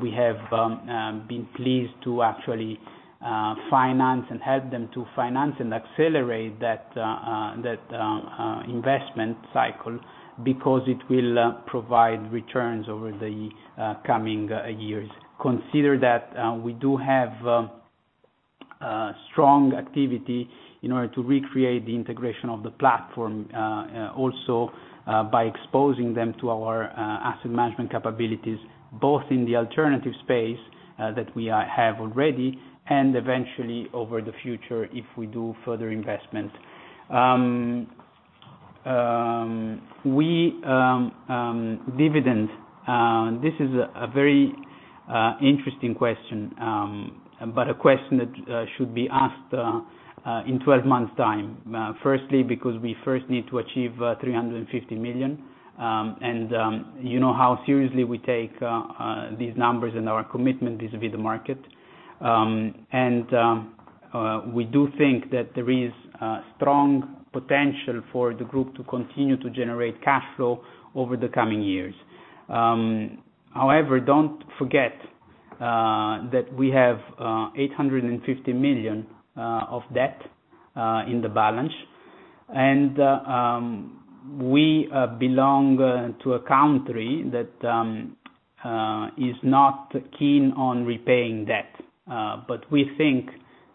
We have been pleased to actually finance and help them to finance and accelerate that investment cycle because it will provide returns over the coming years. Consider that we do have strong activity in order to recreate the integration of the platform, also, by exposing them to our asset management capabilities, both in the alternative space that we have already, and eventually over the future if we do further investment. Dividend. This is a very interesting question. A question that should be asked in 12 months time. Firstly, because we first need to achieve 350 million. You know how seriously we take these numbers and our commitment vis-à-vis the market. We do think that there is strong potential for the group to continue to generate cash flow over the coming years. However, don't forget that we have 850 million of debt in the balance. We belong to a country that is not keen on repaying debt. We think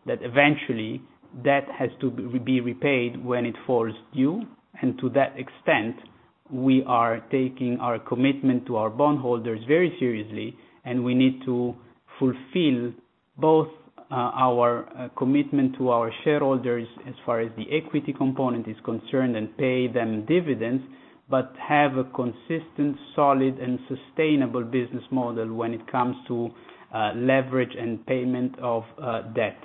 that eventually, debt has to be repaid when it falls due. To that extent, we are taking our commitment to our bondholders very seriously, and we need to fulfill both our commitment to our shareholders as far as the equity component is concerned and pay them dividends, but have a consistent, solid, and sustainable business model when it comes to leverage and payment of debt.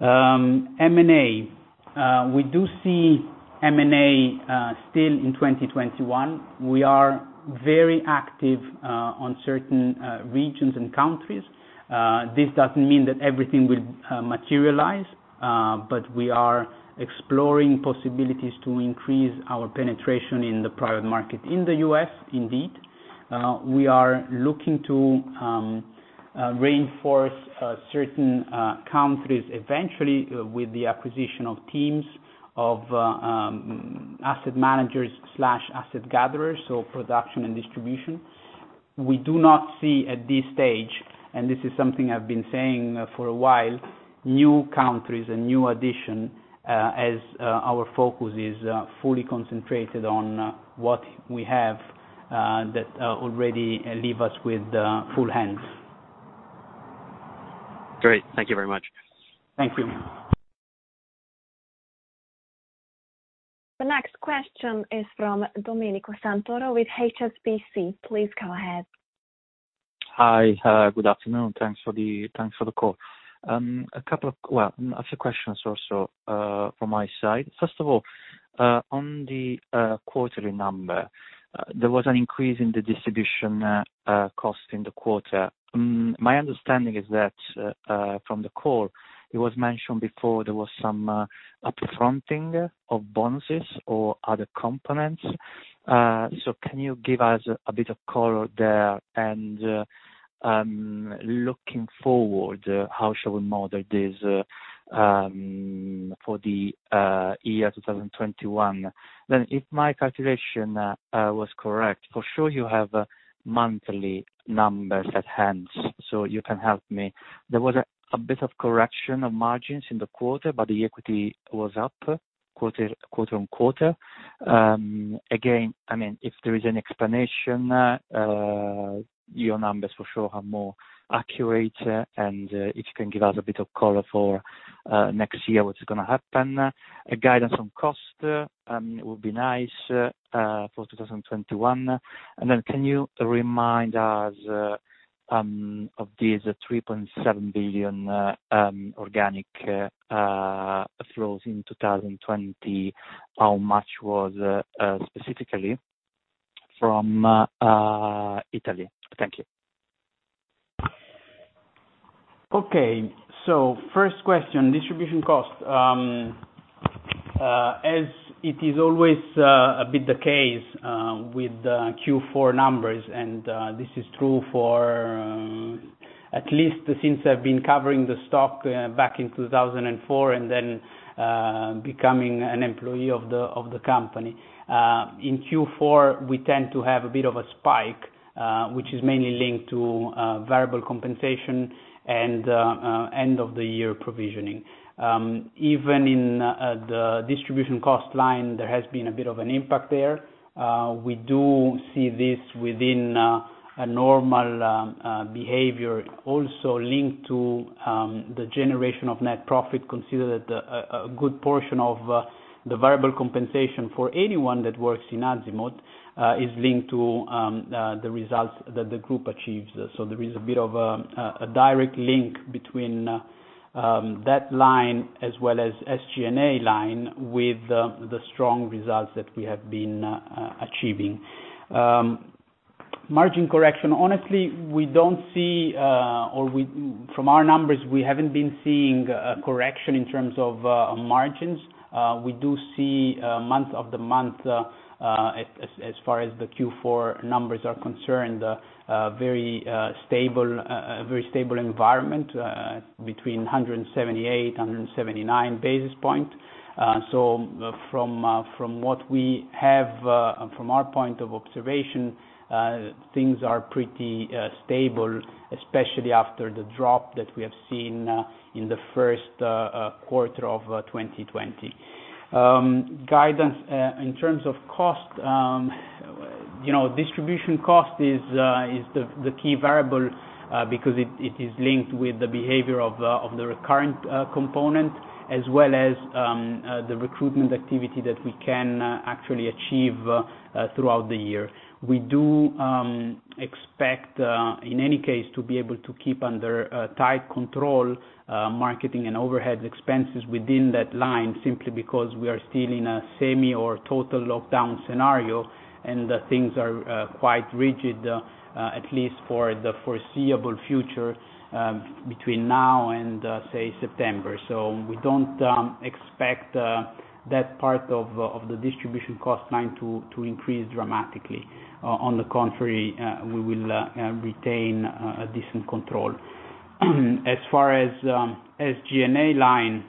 M&A. We do see M&A still in 2021. We are very active on certain regions and countries. This doesn't mean that everything will materialize, but we are exploring possibilities to increase our penetration in the private market in the U.S., indeed. We are looking to reinforce certain countries eventually with the acquisition of teams, of asset managers/asset gatherers, so production and distribution. We do not see at this stage, and this is something I've been saying for a while, new countries and new addition, as our focus is fully concentrated on what we have that already leave us with full hands.
Great. Thank you very much.
Thank you.
The next question is from Domenico Santoro with HSBC. Please go ahead.
Hi. Good afternoon. Thanks for the call. Well, a few questions also from my side. First of all, on the quarterly number, there was an increase in the distribution cost in the quarter. My understanding is that from the call, it was mentioned before there was some upfronting of bonuses or other components. Can you give us a bit of color there? Looking forward, how shall we model this for the year 2021? If my calculation was correct, for sure you have monthly numbers at hand, you can help me. There was a bit of correction of margins in the quarter, the equity was up quarter-on-quarter. Again, if there is an explanation, your numbers for sure are more accurate, if you can give us a bit of color for next year, what is going to happen. A guidance on cost would be nice for 2021. Can you remind us of these 3.7 billion organic flows in 2020, how much was specifically from Italy? Thank you.
First question, distribution cost. As it is always a bit the case with Q4 numbers, and this is true for at least since I’ve been covering the stock back in 2004 and then becoming an employee of the company. In Q4, we tend to have a bit of a spike, which is mainly linked to variable compensation and end-of-the-year provisioning. Even in the distribution cost line, there has been a bit of an impact there. We do see this within a normal behavior, also linked to the generation of net profit. Consider that a good portion of the variable compensation for anyone that works in Azimut is linked to the results that the group achieves. There is a bit of a direct link between that line as well as SG&A line with the strong results that we have been achieving. Margin correction. Honestly, from our numbers, we haven't been seeing a correction in terms of margins. We do see month-over-month, as far as the Q4 numbers are concerned, a very stable environment between 178, 179 basis points. From what we have from our point of observation, things are pretty stable, especially after the drop that we have seen in the first quarter of 2020. Guidance in terms of cost. Distribution cost is the key variable, because it is linked with the behavior of the recurrent component as well as the recruitment activity that we can actually achieve throughout the year. We do expect, in any case, to be able to keep under tight control marketing and overhead expenses within that line, simply because we are still in a semi or total lockdown scenario, and things are quite rigid, at least for the foreseeable future between now and, say, September. We don't expect that part of the distribution cost line to increase dramatically. On the contrary, we will retain a decent control. As far as G&A line,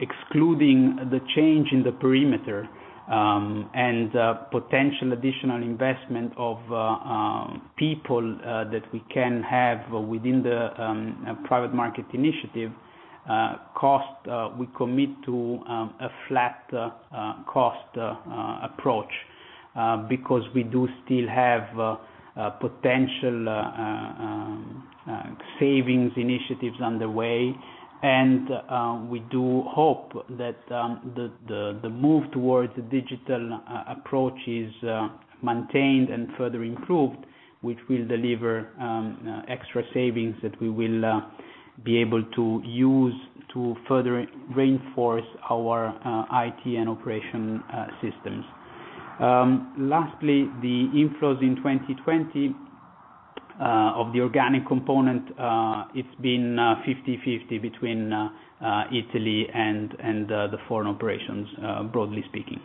excluding the change in the perimeter, and potential additional investment of people that we can have within the private market initiative cost, we commit to a flat cost approach, because we do still have potential savings initiatives underway. We do hope that the move towards a digital approach is maintained and further improved, which will deliver extra savings that we will be able to use to further reinforce our IT and operation systems. Lastly, the inflows in 2020 of the organic component, it's been 50/50 between Italy and the foreign operations, broadly speaking.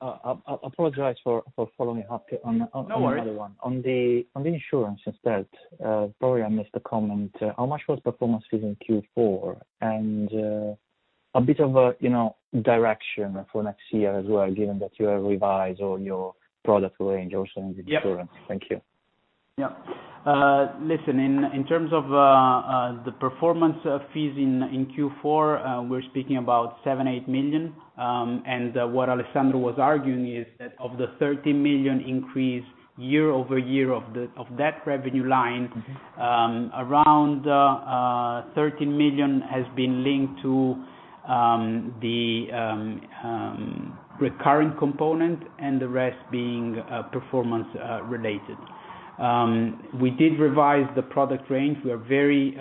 I apologize for following up on-
No worries.
another one. On the insurance instead, probably I missed the comment. How much was performance fees in Q4? A bit of a direction for next year as well, given that you have revised all your product range also in the insurance.
Yep.
Thank you.
Listen, in terms of the performance fees in Q4, we are speaking about 7 million-8 million. What Alessandro was arguing is that of the 30 million increase year-over-year of that revenue line, around 13 million has been linked to the recurring component, and the rest being performance related. We did revise the product range. We are very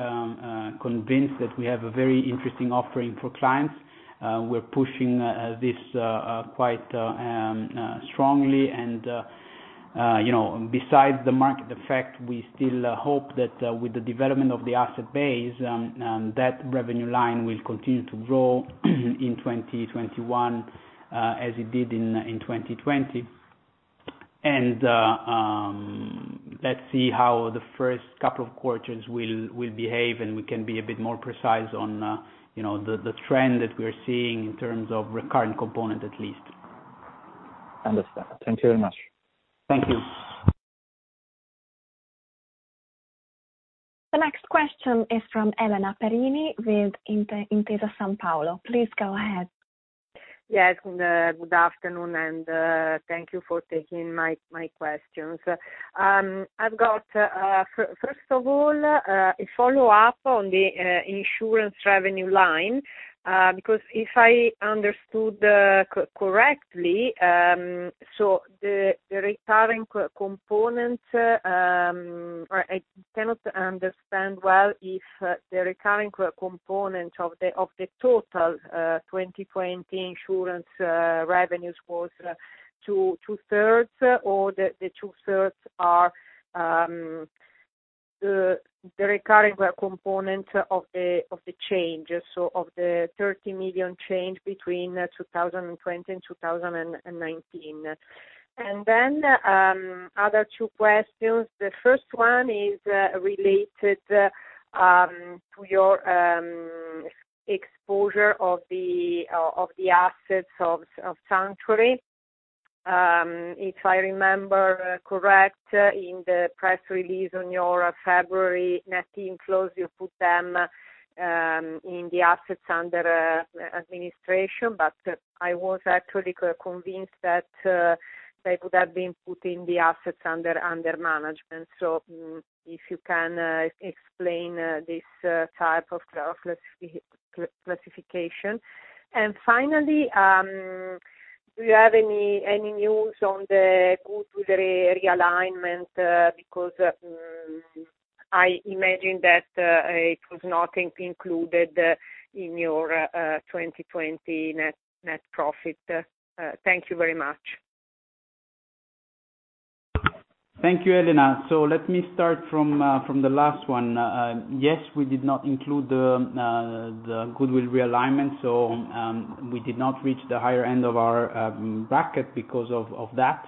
convinced that we have a very interesting offering for clients. We're pushing this quite strongly. Besides the market effect, we still hope that with the development of the asset base, that revenue line will continue to grow in 2021, as it did in 2020. Let's see how the first couple of quarters will behave, and we can be a bit more precise on the trend that we're seeing in terms of recurring component, at least.
Understood. Thank you very much.
Thank you.
The next question is from Elena Perini with Intesa Sanpaolo. Please go ahead.
Yes. Good afternoon, and thank you for taking my questions. I've got, first of all, a follow-up on the insurance revenue line. Because if I understood correctly, I cannot understand well if the recurring component of the total 2020 insurance revenues was two-thirds, or the two-thirds are the recurring component of the change, so of the 30 million change between 2020 and 2019. Then, other two questions. The first one is related to your exposure of the assets of Sanctuary. If I remember correct, in the press release on your February net inflows, you put them in the assets under administration. I was actually convinced that they could have been put in the assets under management. If you can explain this type of classification. Finally, do you have any news on the goodwill realignment? I imagine that it was not included in your 2020 net profit. Thank you very much.
Thank you, Elena. Let me start from the last one. Yes, we did not include the goodwill realignment, so we did not reach the higher end of our bracket because of that.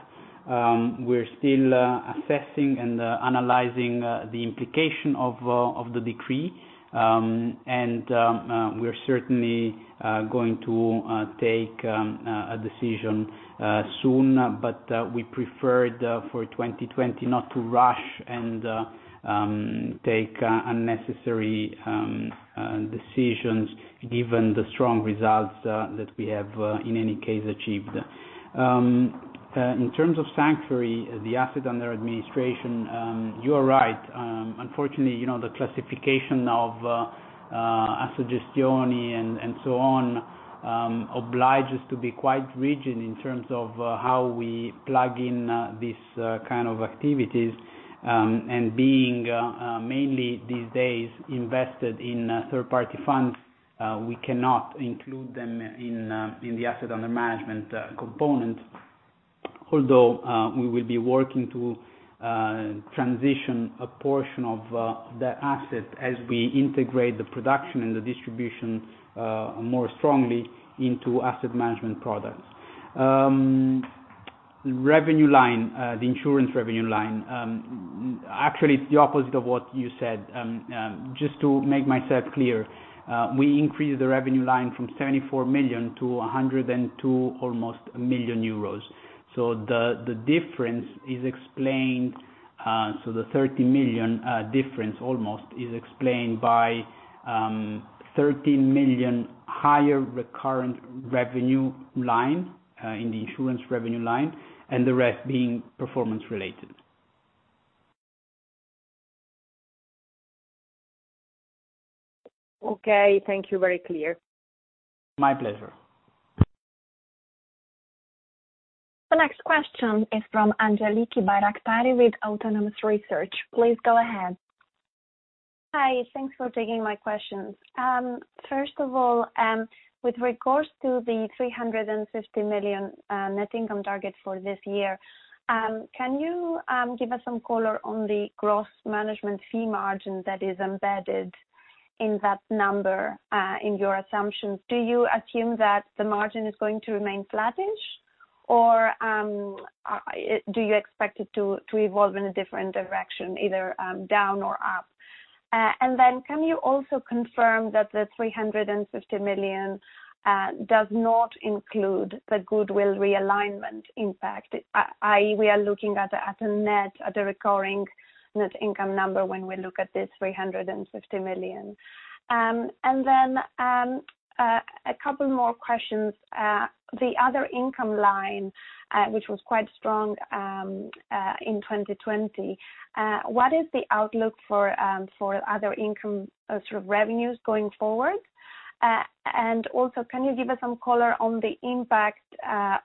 We're still assessing and analyzing the implication of the decree. We're certainly going to take a decision soon. We preferred for 2020 not to rush and take unnecessary decisions given the strong results that we have, in any case, achieved. In terms of Sanctuary, the asset under administration, you are right. Unfortunately, the classification of Assogestioni, and so on, oblige us to be quite rigid in terms of how we plug in these kind of activities. Being mainly these days invested in third-party funds. We cannot include them in the Asset Under Management component, although we will be working to transition a portion of the asset as we integrate the production and the distribution more strongly into asset management products. The insurance revenue line. Actually, it's the opposite of what you said. Just to make myself clear, we increased the revenue line from 74 million to almost 102 million euros. The almost 30 million difference is explained by 13 million higher recurrent revenue line in the insurance revenue line, and the rest being performance related.
Okay. Thank you. Very clear.
My pleasure.
The next question is from Angeliki Bairaktari with Autonomous Research. Please go ahead.
Hi. Thanks for taking my questions. First of all, with regards to the 350 million net income target for this year, can you give us some color on the gross management fee margin that is embedded in that number, in your assumptions? Do you assume that the margin is going to remain flattish, or do you expect it to evolve in a different direction, either down or up? Can you also confirm that the 350 million does not include the goodwill realignment impact, i.e., we are looking at a recurring net income number when we look at this 350 million? A couple more questions. The other income line, which was quite strong in 2020, what is the outlook for other income sort of revenues going forward? Also, can you give us some color on the impact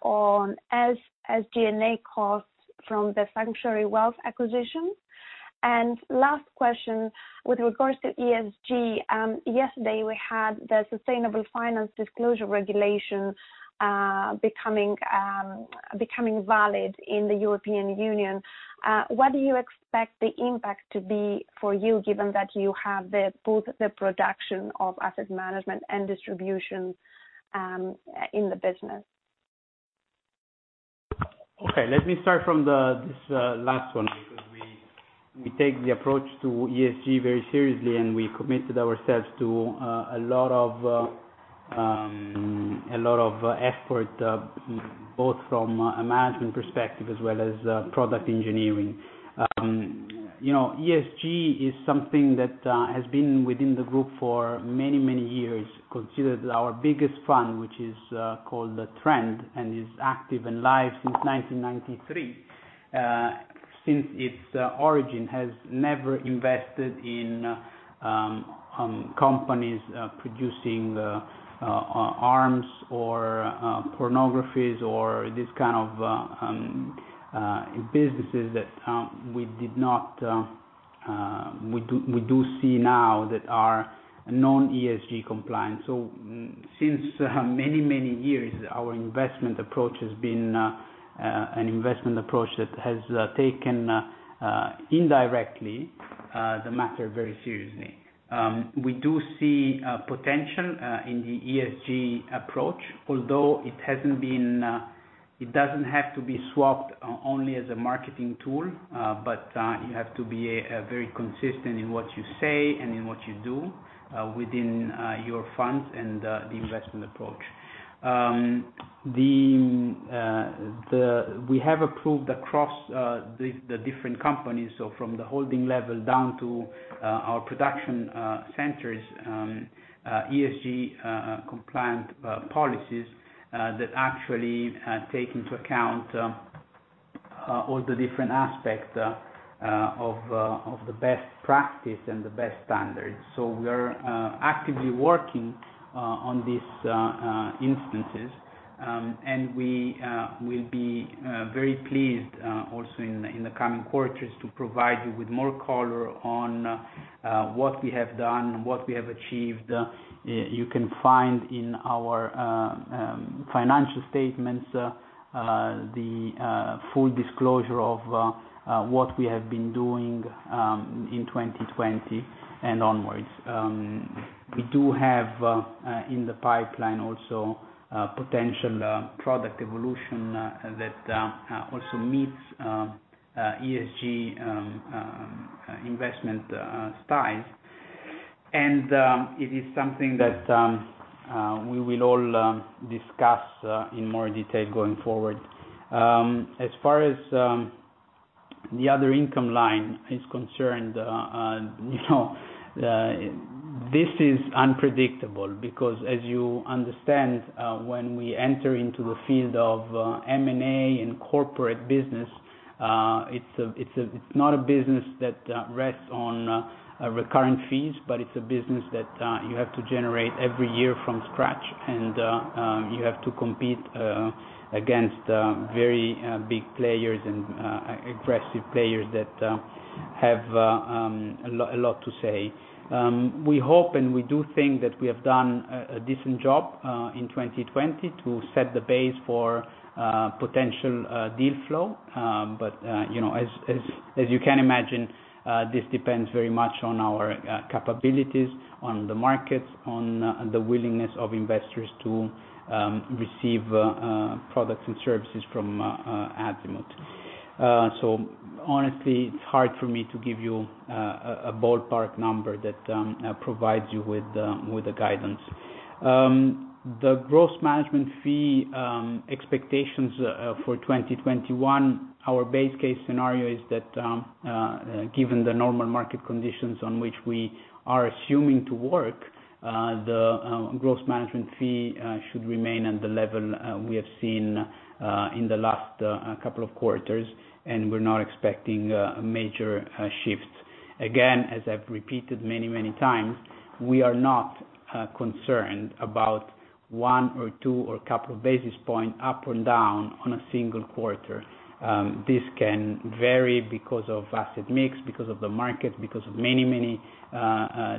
on SG&A costs from the Sanctuary Wealth acquisition? Last question, with regards to ESG, yesterday we had the Sustainable Finance Disclosure Regulation becoming valid in the European Union. What do you expect the impact to be for you, given that you have both the production of asset management and distribution in the business?
Okay. Let me start from this last one, because we take the approach to ESG very seriously. We committed ourselves to a lot of effort, both from a management perspective as well as product engineering. ESG is something that has been within the group for many, many years. Consider that our biggest fund, which is called the Trend and is active and live since 1993, since its origin, has never invested in companies producing arms or pornographies or these kind of businesses that we do see now that are non-ESG compliant. Since many, many years, our investment approach has been an investment approach that has taken indirectly the matter very seriously. We do see potential in the ESG approach, although it doesn't have to be swapped only as a marketing tool. You have to be very consistent in what you say and in what you do within your funds and the investment approach. We have approved across the different companies, so from the holding level down to our production centers, ESG compliant policies that actually take into account all the different aspects of the best practice and the best standards. We are actively working on these instances. We will be very pleased also in the coming quarters to provide you with more color on what we have done and what we have achieved. You can find in our financial statements the full disclosure of what we have been doing in 2020 and onwards. We do have in the pipeline also potential product evolution that also meets ESG investment style. It is something that we will all discuss in more detail going forward. As far as the other income line is concerned, this is unpredictable because as you understand, when we enter into the field of M&A and corporate business, it's not a business that rests on recurring fees, but it's a business that you have to generate every year from scratch, and you have to compete against very big players and aggressive players that have a lot to say. We hope, and we do think that we have done a decent job in 2020 to set the base for potential deal flow. As you can imagine, this depends very much on our capabilities, on the markets, on the willingness of investors to receive products and services from Azimut. Honestly, it's hard for me to give you a ballpark number that provides you with the guidance. The gross management fee expectations for 2021, our base case scenario is that, given the normal market conditions on which we are assuming to work, the gross management fee should remain at the level we have seen in the last couple of quarters, we're not expecting major shifts. Again, as I've repeated many times, we are not concerned about one or two or a couple of basis points up or down on a single quarter. This can vary because of asset mix, because of the market, because of many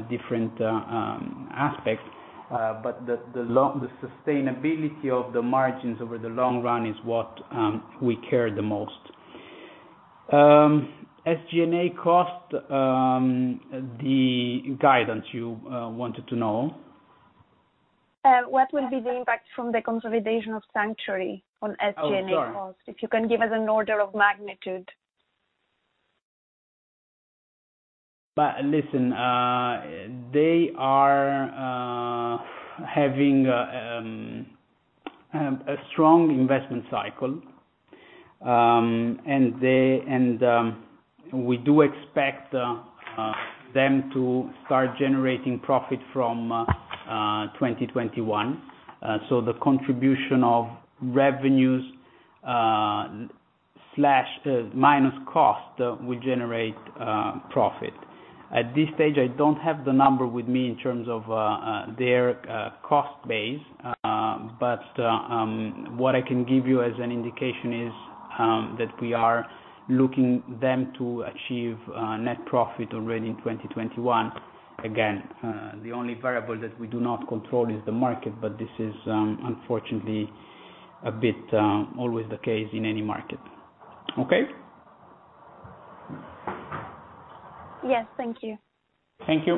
different aspects. The sustainability of the margins over the long run is what we care the most. SG&A cost, the guidance you wanted to know.
What will be the impact from the consolidation of Sanctuary on SG&A cost?
Oh, sure.
If you can give us an order of magnitude.
Listen, they are having a strong investment cycle. We do expect them to start generating profit from 2021. The contribution of revenues minus cost will generate profit. At this stage, I don't have the number with me in terms of their cost base. What I can give you as an indication is that we are looking them to achieve net profit already in 2021. Again, the only variable that we do not control is the market, but this is unfortunately a bit always the case in any market. Okay?
Yes. Thank you.
Thank you.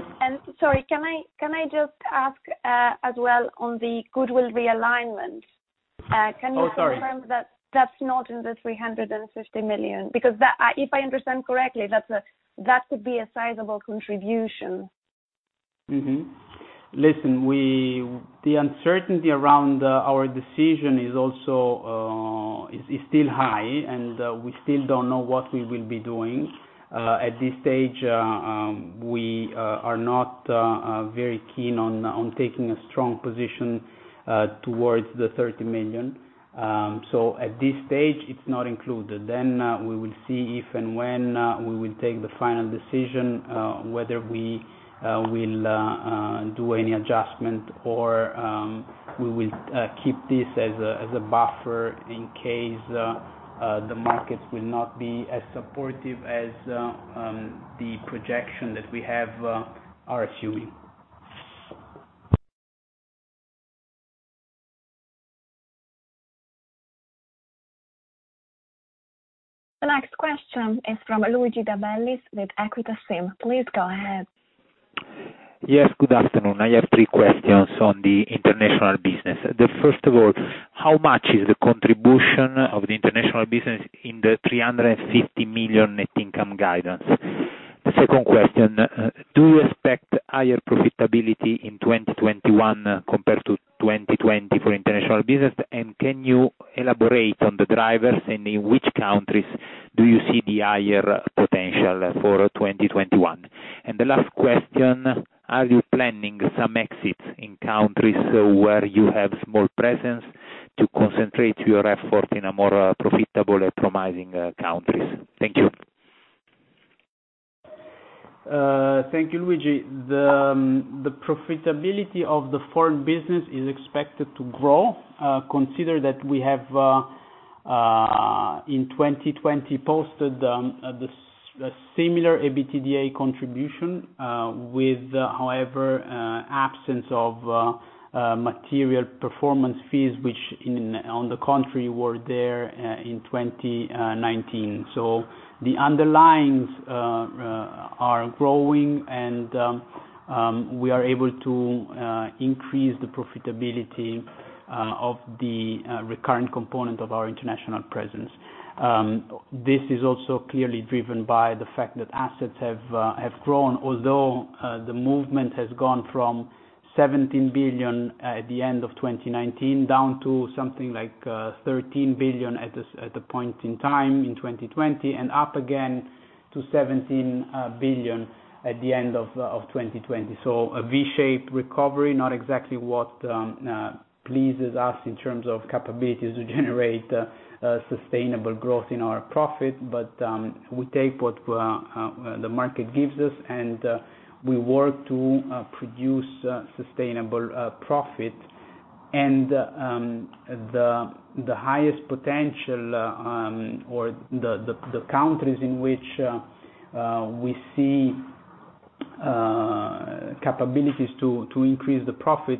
Sorry, can I just ask as well on the goodwill realignment?
Oh, sorry.
Can you confirm that that's not in the 350 million? If I understand correctly, that could be a sizable contribution.
Listen, the uncertainty around our decision is still high, and we still don't know what we will be doing. At this stage, we are not very keen on taking a strong position towards the 30 million. At this stage, it's not included. We will see if and when we will take the final decision, whether we will do any adjustment or we will keep this as a buffer in case the markets will not be as supportive as the projection that we have are assuming.
The next question is from Luigi de Bellis with EQUITA SIM. Please go ahead.
Yes, good afternoon. I have three questions on the international business. The first of all, how much is the contribution of the international business in the 350 million net income guidance? The second question, do you expect higher profitability in 2021 compared to 2020 for international business? Can you elaborate on the drivers and in which countries do you see the higher potential for 2021? The last question, are you planning some exits in countries where you have small presence to concentrate your effort in a more profitable and promising countries? Thank you.
Thank you, Luigi. The profitability of the foreign business is expected to grow. Consider that we have, in 2020, posted a similar EBITDA contribution with, however, absence of material performance fees, which on the contrary, were there in 2019. The underlyings are growing, and we are able to increase the profitability of the recurrent component of our international presence. This is also clearly driven by the fact that assets have grown, although the movement has gone from 17 billion at the end of 2019 down to something like 13 billion at the point in time in 2020, and up again to 17 billion at the end of 2020. A V-shaped recovery, not exactly what pleases us in terms of capabilities to generate sustainable growth in our profit. We take what the market gives us, and we work to produce sustainable profit. The highest potential or the countries in which we see capabilities to increase the profit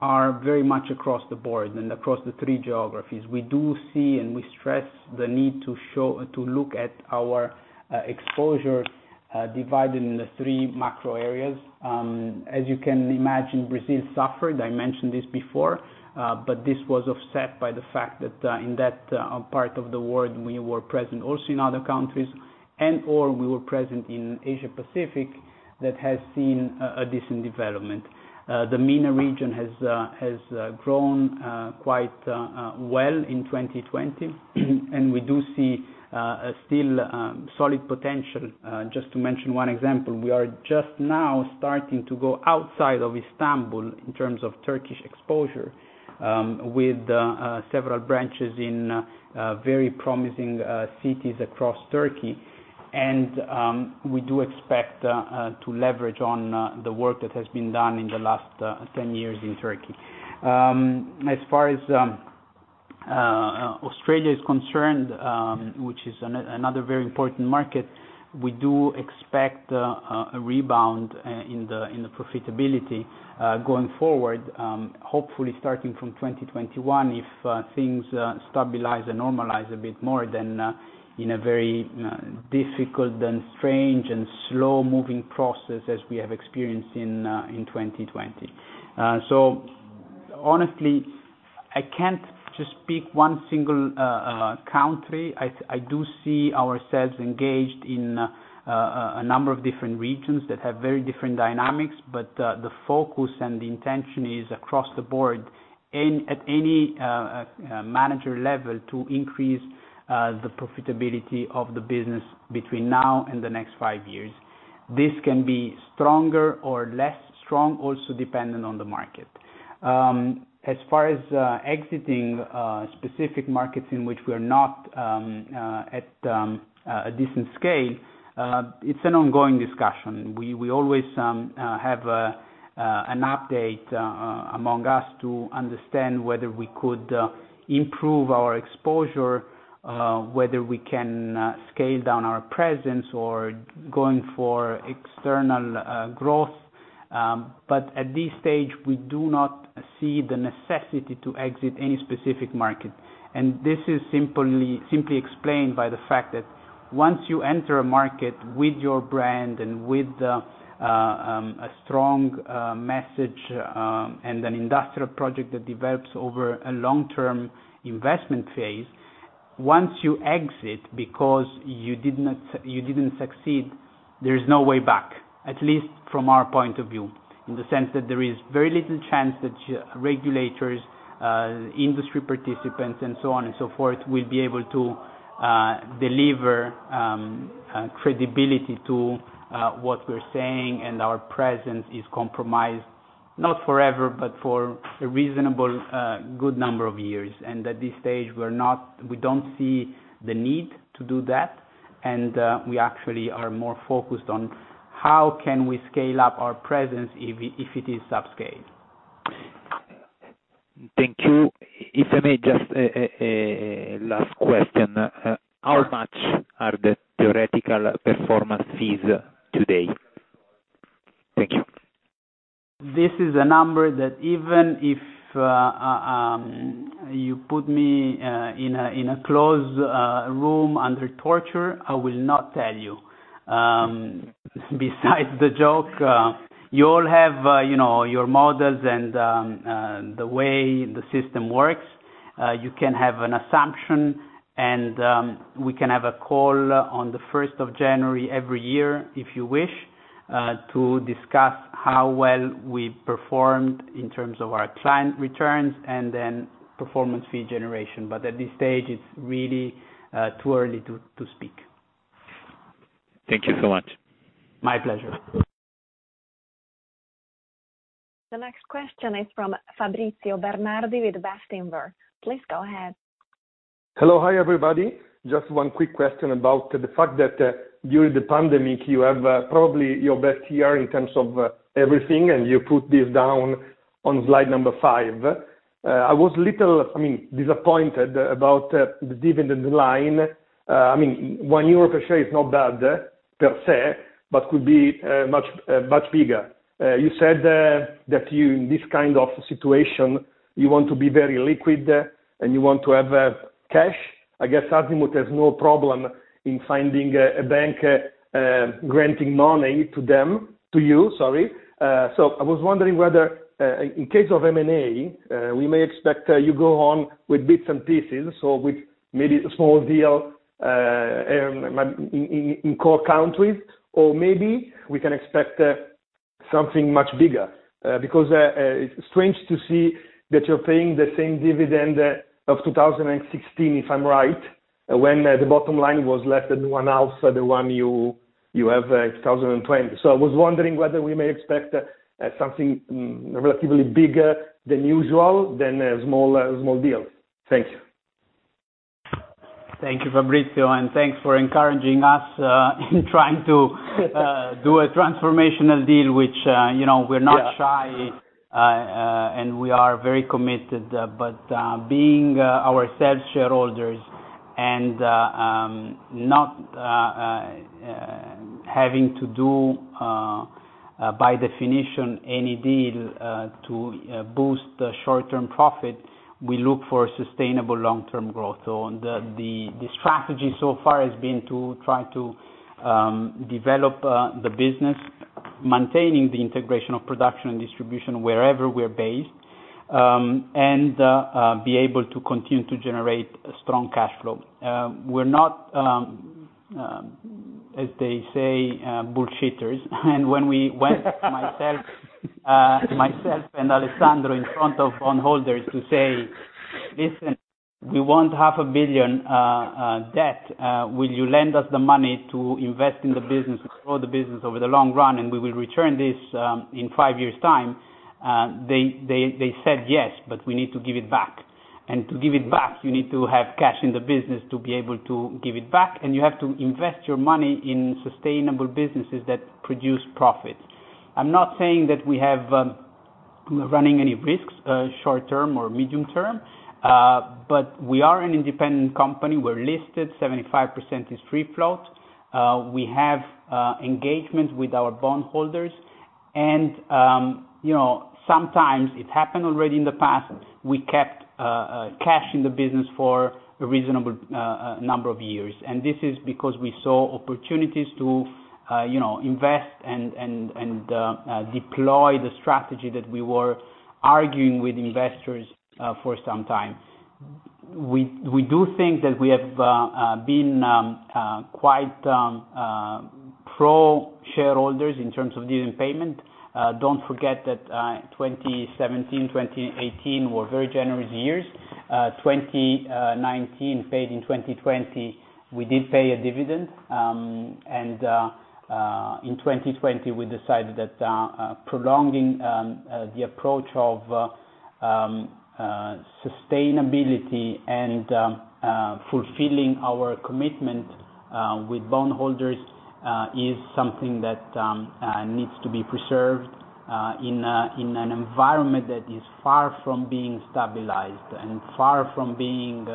are very much across the board and across the three geographies. We do see, and we stress the need to look at our exposure divided into three macro areas. As you can imagine, Brazil suffered, I mentioned this before, but this was offset by the fact that in that part of the world, we were present also in other countries, and/or we were present in Asia Pacific that has seen a decent development. The MENA region has grown quite well in 2020, and we do see still solid potential. Just to mention one example, we are just now starting to go outside of Istanbul in terms of Turkish exposure, with several branches in very promising cities across Turkey. We do expect to leverage on the work that has been done in the last 10 years in Turkey. As far as Australia is concerned, which is another very important market, we do expect a rebound in the profitability going forward, hopefully starting from 2021 if things stabilize and normalize a bit more than in a very difficult and strange and slow-moving process as we have experienced in 2020. Honestly, I can't just pick one single country. I do see ourselves engaged in a number of different regions that have very different dynamics. The focus and the intention is across the board at any manager level to increase the profitability of the business between now and the next five years. This can be stronger or less strong, also dependent on the market. As far as exiting specific markets in which we're not at a decent scale, it's an ongoing discussion. We always have an update among us to understand whether we could improve our exposure, whether we can scale down our presence or going for external growth. At this stage, we do not see the necessity to exit any specific market. This is simply explained by the fact that once you enter a market with your brand and with a strong message, and an industrial project that develops over a long-term investment phase, once you exit because you didn't succeed, there is no way back, at least from our point of view. In the sense that there is very little chance that regulators, industry participants, and so on and so forth, will be able to deliver credibility to what we're saying, and our presence is compromised, not forever, but for a reasonable good number of years. At this stage, we don't see the need to do that, and we actually are more focused on how can we scale up our presence if it is subscale.
Thank you. If I may, just a last question. How much are the theoretical performance fees today? Thank you.
This is a number that even if you put me in a closed room under torture, I will not tell you. Besides the joke, you all have your models and the way the system works. You can have an assumption and we can have a call on the 1st of January every year if you wish, to discuss how well we performed in terms of our client returns and then performance fee generation. At this stage, it's really too early to speak.
Thank you so much.
My pleasure.
The next question is from Fabrizio Bernardi with Bestinver. Please go ahead.
Hello. Hi, everybody. Just one quick question about the fact that during the pandemic, you have probably your best year in terms of everything. You put this down on slide number five. I was little disappointed about the dividend line. 1 euro per share is not bad per se, but could be much bigger. You said that in this kind of situation, you want to be very liquid and you want to have cash. I guess Azimut has no problem in finding a bank granting money to you. I was wondering whether, in case of M&A, we may expect you go on with bits and pieces, so with maybe a small deal in core countries, or maybe we can expect something much bigger? It's strange to see that you're paying the same dividend of 2016, if I'm right, when the bottom line was less than one half the one you have in 2020. I was wondering whether we may expect something relatively bigger than usual than a small deal. Thank you.
Thank you, Fabrizio, thanks for encouraging us in trying to do a transformational deal, which we're not shy and we are very committed. Being ourselves shareholders and not having to do, by definition, any deal to boost short-term profit, we look for sustainable long-term growth. The strategy so far has been to try to develop the business, maintaining the integration of production and distribution wherever we're based, and be able to continue to generate a strong cash flow. We're not, as they say, bullshitters. When we went, myself and Alessandro, in front of bondholders to say, "Listen, we want half a billion debt. Will you lend us the money to invest in the business, to grow the business over the long run, and we will return this in five years' time?" They said yes, we need to give it back. To give it back, you need to have cash in the business to be able to give it back, and you have to invest your money in sustainable businesses that produce profits. I'm not saying that we have running any risks, short-term or medium-term, but we are an independent company. We're listed, 75% is free float. We have engagement with our bondholders, and sometimes, it happened already in the past, we kept cash in the business for a reasonable number of years. This is because we saw opportunities to invest and deploy the strategy that we were arguing with investors for some time. We do think that we have been quite pro-shareholders in terms of dividend payment. Don't forget that 2017, 2018 were very generous years. 2019 paid in 2020, we did pay a dividend. In 2020, we decided that prolonging the approach of sustainability and fulfilling our commitment with bondholders is something that needs to be preserved in an environment that is far from being stabilized and far from being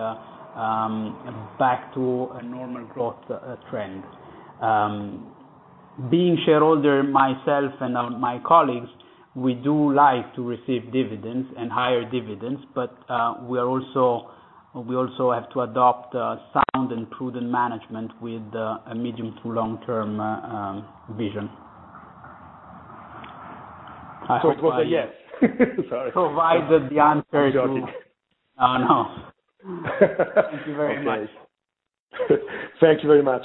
back to a normal growth trend. Being shareholder myself and my colleagues, we do like to receive dividends and higher dividends, but we also have to adopt sound and prudent management with a medium to long-term vision.
It was a yes. Sorry.
Provided the answer to.
Apologetic.
Oh, no. Thank you very much.
Nice. Thank you very much.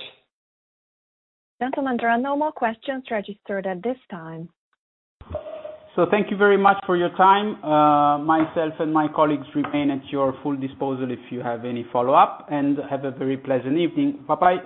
Gentlemen, there are no more questions registered at this time.
Thank you very much for your time. Myself and my colleagues remain at your full disposal if you have any follow-up. Have a very pleasant evening. Bye-bye.